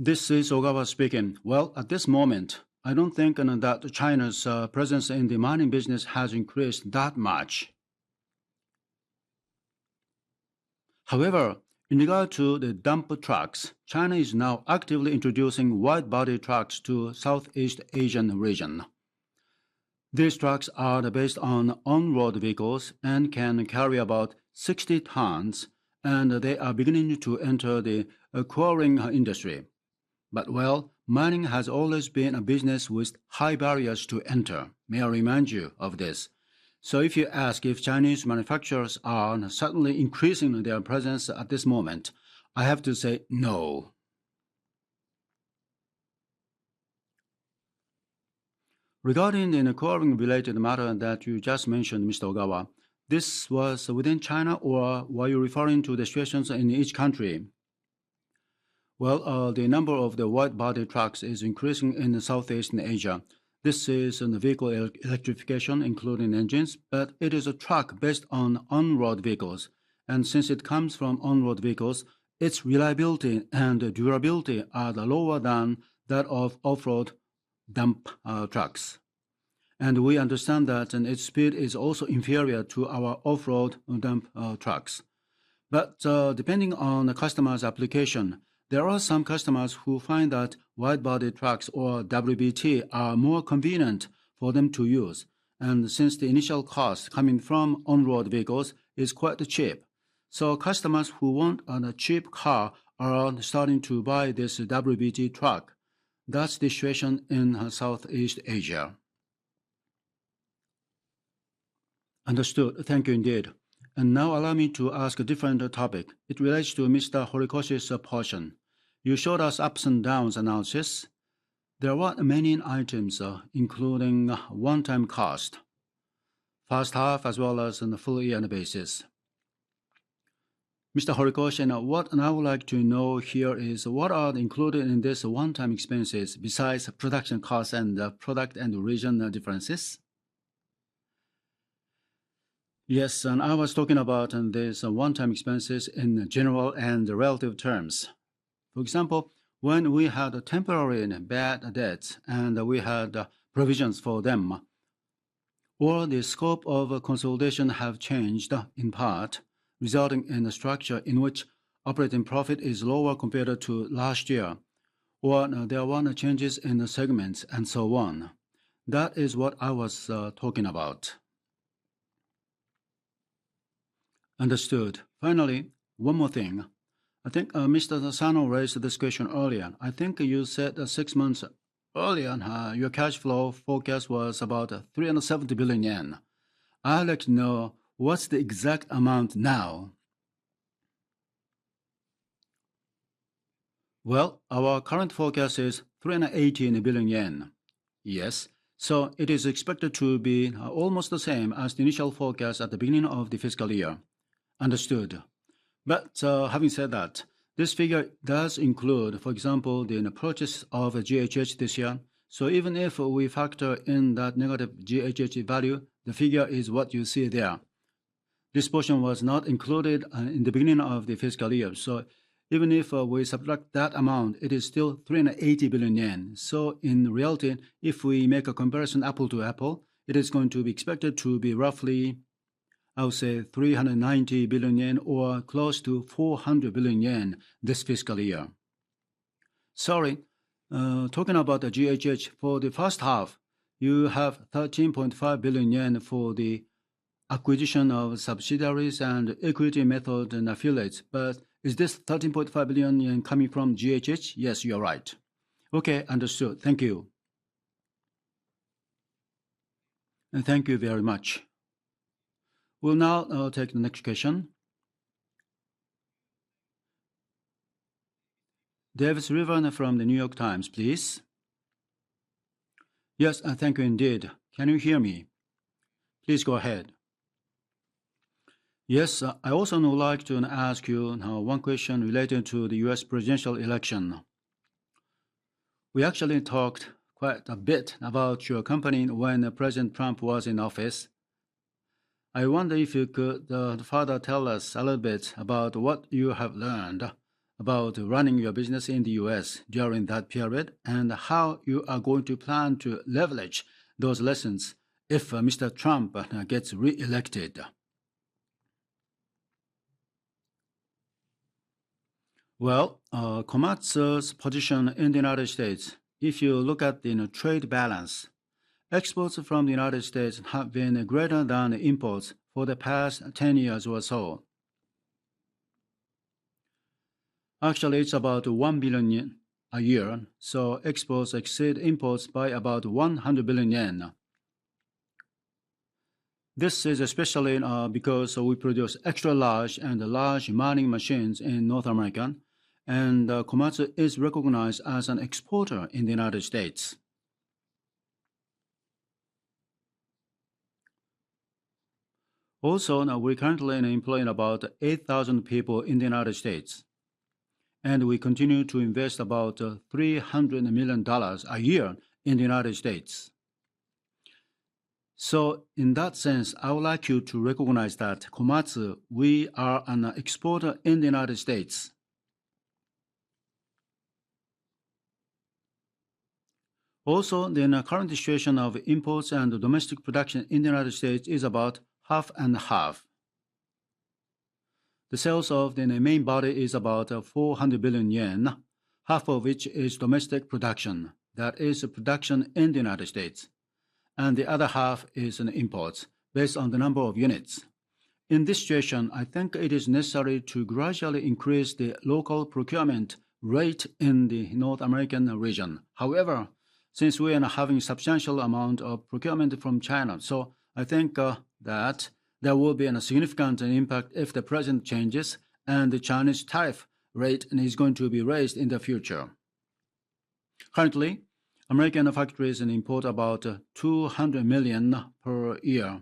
This is Ogawa speaking. Well, at this moment, I don't think that China's presence in the mining business has increased that much. However, in regard to the dump trucks, China is now actively introducing wide-body trucks to Southeast Asian region. These trucks are based on on-road vehicles and can carry about 60 tons, and they are beginning to enter the quarrying industry. But, well, mining has always been a business with high barriers to enter. May I remind you of this? So if you ask if Chinese manufacturers are suddenly increasing their presence at this moment, I have to say no. Regarding the quarrying-related matter that you just mentioned, Mr. Ogawa, this was within China, or were you referring to the situations in each country? Well, the number of the wide-body trucks is increasing in Southeast Asia. This is in the vehicle electrification, including engines, but it is a truck based on on-road vehicles, and since it comes from on-road vehicles, its reliability and durability are lower than that of off-road...... dump trucks. And we understand that, and its speed is also inferior to our off-road dump trucks. But, depending on the customer's application, there are some customers who find that wide-body trucks or WBT are more convenient for them to use, and since the initial cost coming from on-road vehicles is quite cheap. So customers who want a cheap car are starting to buy this WBT truck. That's the situation in Southeast Asia. Understood. Thank you, indeed. And now allow me to ask a different topic. It relates to Mr. Horikoshi's portion. You showed us ups and downs analysis. There were many items, including one-time cost, first half, as well as on a full year basis. Mr. Horikoshi, now, what I would like to know here is, what are included in this one-time expenses besides production costs and product and regional differences? Yes, and I was talking about these one-time expenses in general and relative terms. For example, when we had temporary and bad debts, and we had provisions for them, or the scope of consolidation have changed, in part, resulting in a structure in which operating profit is lower compared to last year, or there were changes in the segments and so on. That is what I was talking about. Understood. Finally, one more thing. I think Mr. Asano raised this question earlier. I think you said that six months earlier your cash flow forecast was about 370 billion yen. I'd like to know, what's the exact amount now? Well, our current forecast is 380 billion yen. Yes. So it is expected to be almost the same as the initial forecast at the beginning of the fiscal year. Understood. But, having said that, this figure does include, for example, the purchase of GHH this year. So even if we factor in that negative GHH value, the figure is what you see there. This portion was not included in the beginning of the fiscal year, so even if we subtract that amount, it is still 380 billion yen. So in reality, if we make a comparison apples to apples, it is going to be expected to be roughly, I would say, 390 billion yen or close to 400 billion yen this fiscal year. Sorry, talking about the GHH, for the first half, you have 13.5 billion yen for the acquisition of subsidiaries and equity method and affiliates, but is this 13.5 billion coming from GHH? Yes, you are right. Okay, understood. Thank you. Thank you very much. We'll now take the next question. River Davis from The New York Times, please. Yes, and thank you, indeed. Can you hear me? Please go ahead. Yes, I also would like to ask you one question related to the U.S. presidential election. We actually talked quite a bit about your company when President Trump was in office. I wonder if you could further tell us a little bit about what you have learned about running your business in the U.S. during that period, and how you are going to plan to leverage those lessons if Mr. Trump gets re-elected? Well, Komatsu's position in the United States, if you look at the trade balance, exports from the United States have been greater than imports for the past ten years or so. Actually, it's about 1 billion yen a year, so exports exceed imports by about 100 billion yen. This is especially because we produce extra-large and large mining machines in North America, and Komatsu is recognized as an exporter in the United States. Also, now we're currently employing about eight thousand people in the United States, and we continue to invest about $300 million a year in the United States. So in that sense, I would like you to recognize that Komatsu, we are an exporter in the United States. Also, the current situation of imports and domestic production in the United States is about half and half. The sales of the main body is about 400 billion yen, half of which is domestic production. That is production in the United States, and the other half is in imports, based on the number of units. In this situation, I think it is necessary to gradually increase the local procurement rate in the North American region. However, since we are having a substantial amount of procurement from China, so I think that there will be a significant impact if the president changes and the Chinese tariff rate is going to be raised in the future. Currently, American factories import about $200 million per year.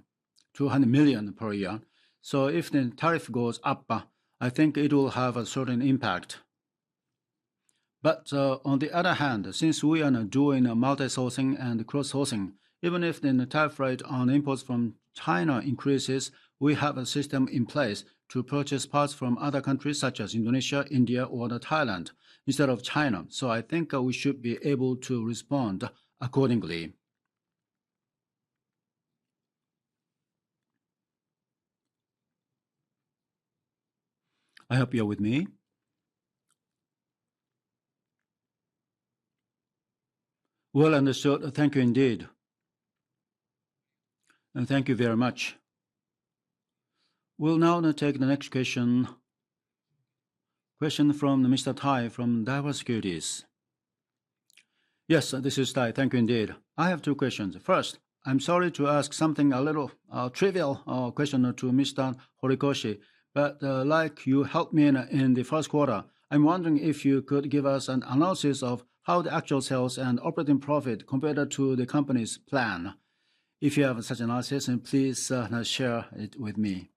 So if the tariff goes up, I think it will have a certain impact. But, on the other hand, since we are doing a multi-sourcing and cross-sourcing, even if the tariff rate on imports from China increases, we have a system in place to purchase parts from other countries such as Indonesia, India, or Thailand, instead of China. So I think, we should be able to respond accordingly. I hope you are with me? Well understood. Thank you indeed, and thank you very much. We'll now take the next question. Question from Mr. Tai, from Daiwa Securities. Yes, this is Tai. Thank you indeed. I have two questions. First, I'm sorry to ask something a little, trivial, question to Mr. Horikoshi, but, like you helped me in the first quarter, I'm wondering if you could give us an analysis of how the actual sales and operating profit compared to the company's plan. If you have such analysis, then please share it with me.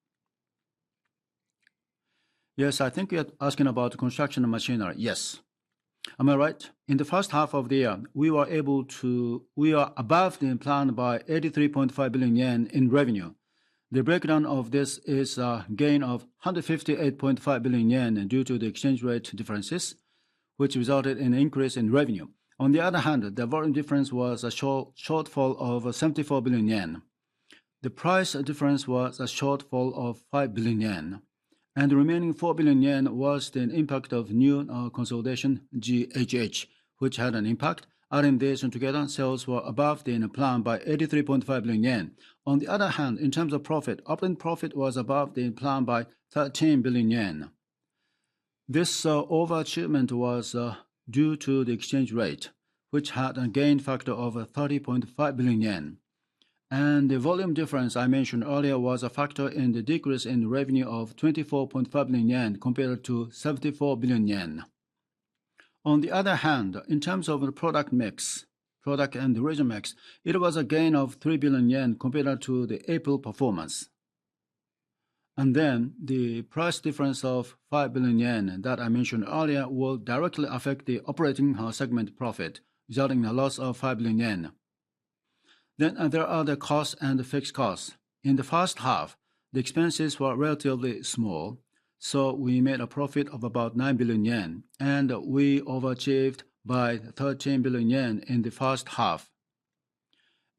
Yes, I think you're asking about construction machinery. Yes. Am I right? In the first half of the year, we are above the plan by 83.5 billion yen in revenue. The breakdown of this is a gain of 158.5 billion yen, due to the exchange rate differences, which resulted in an increase in revenue. On the other hand, the volume difference was a shortfall of 74 billion yen. The price difference was a shortfall of 5 billion yen, and the remaining 4 billion yen was the impact of new consolidation, GHH, which had an impact. Adding this together, sales were above the plan by 83.5 billion yen. On the other hand, in terms of profit, operating profit was above the plan by 13 billion yen. This overachievement was due to the exchange rate, which had a gain factor of 30.5 billion yen, and the volume difference I mentioned earlier was a factor in the decrease in revenue of 24.5 billion yen compared to 74 billion yen. On the other hand, in terms of the product mix, product and region mix, it was a gain of 3 billion yen compared to the April performance. And then, the price difference of 5 billion yen that I mentioned earlier will directly affect the operating segment profit, resulting in a loss of 5 billion yen. Then there are the costs and fixed costs. In the first half, the expenses were relatively small, so we made a profit of about 9 billion yen, and we overachieved by 13 billion yen in the first half,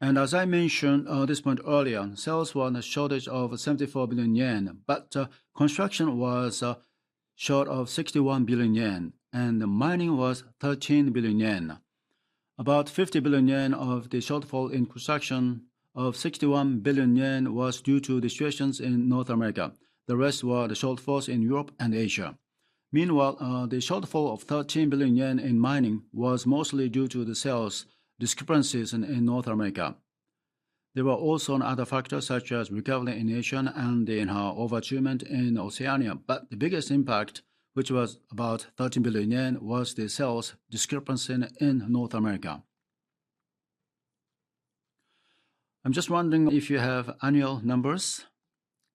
and as I mentioned on this point earlier, sales were on a shortage of 74 billion yen, but construction was short of 61 billion yen, and mining was 13 billion yen. About 50 billion yen of the shortfall in construction of 61 billion yen was due to the situations in North America. The rest were the shortfalls in Europe and Asia. Meanwhile, the shortfall of 13 billion yen in mining was mostly due to the sales discrepancies in North America. There were also other factors such as recovery in Asia and in our overachievement in Oceania, but the biggest impact, which was about 13 billion yen, was the sales discrepancy in North America. I'm just wondering if you have annual numbers?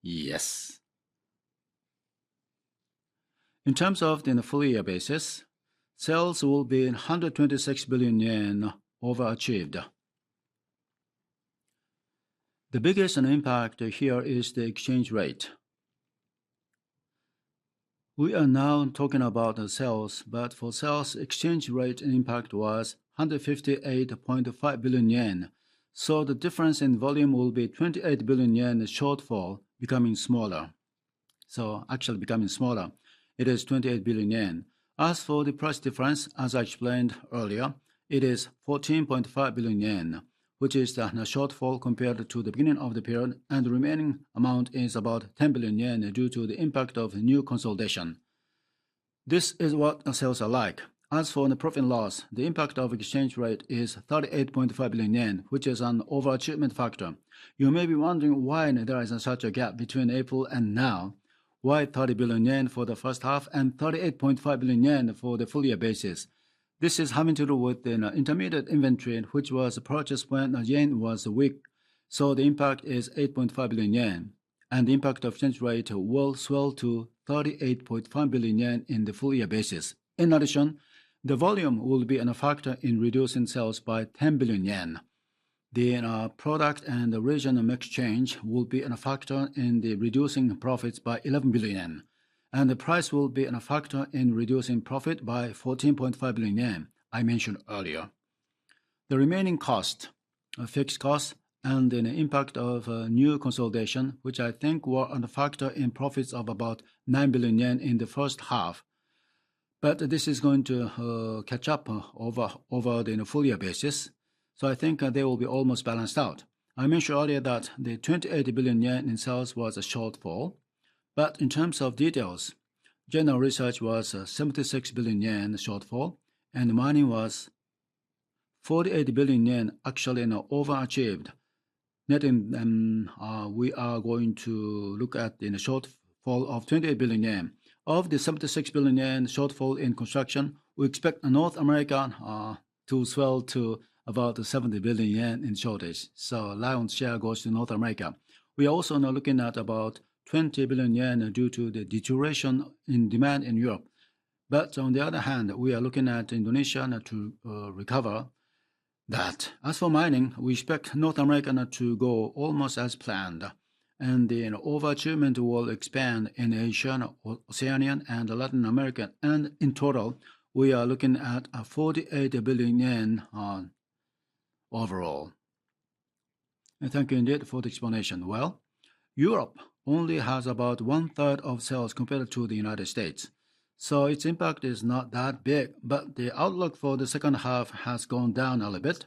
Yes. In terms of in the full year basis, sales will be 126 billion yen overachieved. The biggest impact here is the exchange rate. We are now talking about the sales, but for sales, exchange rate impact was 158.5 billion yen. So the difference in volume will be 28 billion yen shortfall becoming smaller. So actually becoming smaller, it is 28 billion yen. As for the price difference, as I explained earlier, it is 14.5 billion yen, which is the shortfall compared to the beginning of the period, and the remaining amount is about 10 billion yen, due to the impact of new consolidation. This is what sales are like. As for the profit and loss, the impact of exchange rate is 38.5 billion yen, which is an overachievement factor. You may be wondering why there is such a gap between April and now, why 30 billion yen for the first half and 38.5 billion yen for the full year basis? This is having to do with the intermediate inventory, which was purchased when the yen was weak, so the impact is 8.5 billion yen, and the impact of exchange rate will swell to 38.5 billion yen in the full year basis. In addition, the volume will be a factor in reducing sales by 10 billion yen. The product and the regional mix change will be a factor in reducing profits by 11 billion yen, and the price will be a factor in reducing profit by 14.5 billion yen, I mentioned earlier. The remaining cost, fixed cost and an impact of new consolidation, which I think were a factor in profits of about 9 billion yen in the first half, but this is going to catch up over the full year basis. So I think they will be almost balanced out. I mentioned earlier that the 28 billion yen in sales was a shortfall, but in terms of details, construction was 76 billion yen shortfall, and mining was 48 billion yen, actually, and overachieved. In net, we are going to look at a shortfall of 28 billion yen. Of the 76 billion yen shortfall in construction, we expect North America to swell to about 70 billion yen in shortage. So lion's share goes to North America. We are also now looking at about 20 billion yen due to the deterioration in demand in Europe. But on the other hand, we are looking at Indonesia now to recover that. As for mining, we expect North America now to go almost as planned, and the overachievement will expand in Asia, Oceania, and Latin America, and in total, we are looking at 48 billion yen overall. Thank you indeed for the explanation. Well, Europe only has about one-third of sales compared to the United States, so its impact is not that big, but the outlook for the second half has gone down a little bit.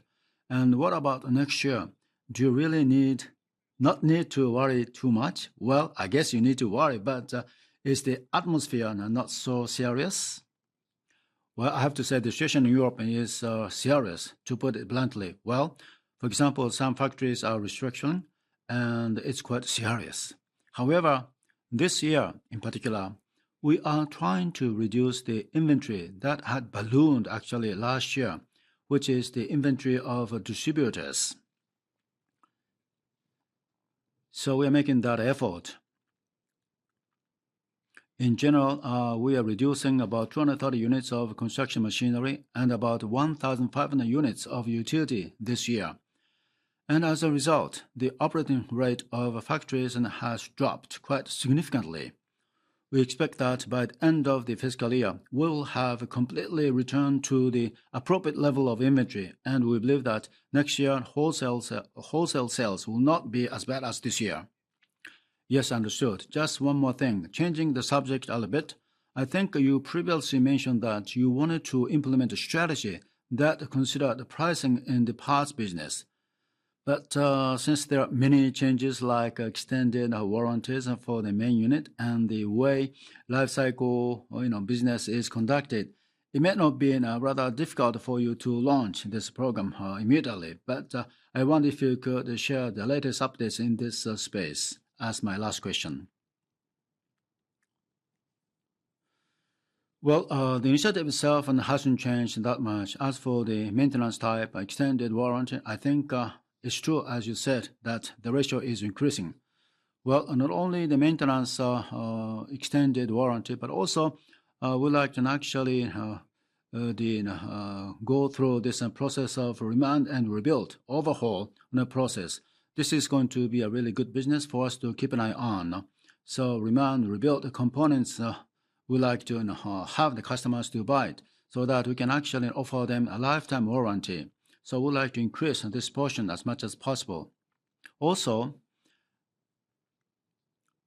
And what about next year? Do you really need, not need to worry too much? Well, I guess you need to worry, but is the atmosphere now not so serious? Well, I have to say the situation in Europe is serious, to put it bluntly. Well, for example, some factories are restricting, and it's quite serious. However, this year in particular, we are trying to reduce the inventory that had ballooned actually last year, which is the inventory of distributors. So we are making that effort. In general, we are reducing about 230 units of construction machinery and about 1,500 units of utility this year. And as a result, the operating rate of factories has dropped quite significantly. We expect that by the end of the fiscal year, we will have completely returned to the appropriate level of inventory, and we believe that next year, wholesale sales will not be as bad as this year. Yes, understood. Just one more thing, changing the subject a little bit. I think you previously mentioned that you wanted to implement a strategy that considered the pricing in the parts business. But since there are many changes, like extended warranties for the main unit and the way life cycle, you know, business is conducted, it may not been rather difficult for you to launch this program immediately. But I wonder if you could share the latest updates in this space as my last question. Well, the initiative itself hasn't changed that much. As for the maintenance type, extended warranty, I think it's true, as you said, that the ratio is increasing. Well, not only the maintenance, extended warranty, but also, I would like to actually go through this process of reman and rebuild, overhaul the process. This is going to be a really good business for us to keep an eye on. So reman, rebuild the components, we like to have the customers to buy it so that we can actually offer them a lifetime warranty. So we'd like to increase this portion as much as possible. Also,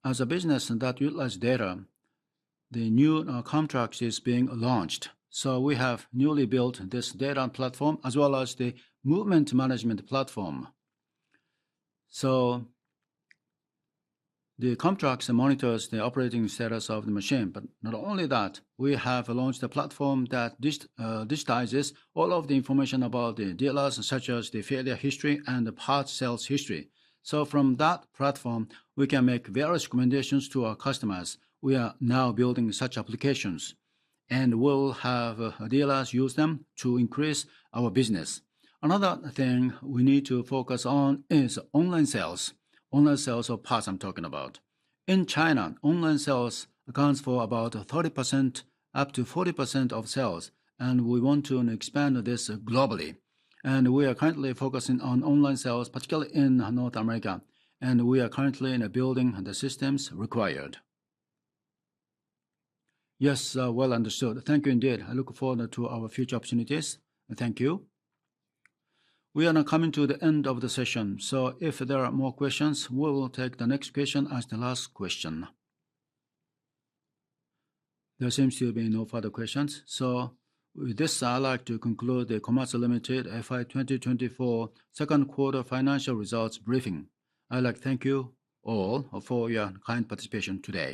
as a business that utilize data, the new contract is being launched. So we have newly built this data platform as well as the movement management platform. So the contracts monitors the operating status of the machine, but not only that, we have launched a platform that digitizes all of the information about the dealers, such as the failure history and the parts sales history. So from that platform, we can make various recommendations to our customers. We are now building such applications, and we will have dealers use them to increase our business. Another thing we need to focus on is online sales. Online sales of parts, I'm talking about. In China, online sales accounts for about 30%-40% of sales, and we want to expand this globally. We are currently focusing on online sales, particularly in North America, and we are currently in a building the systems required. Yes, well understood. Thank you indeed. I look forward to our future opportunities, and thank you. We are now coming to the end of the session, so if there are more questions, we will take the next question as the last question. There seems to be no further questions, so with this, I'd like to conclude the Komatsu Limited FY2024 Second Quarter Financial Results Briefing. I'd like to thank you all for your kind participation today.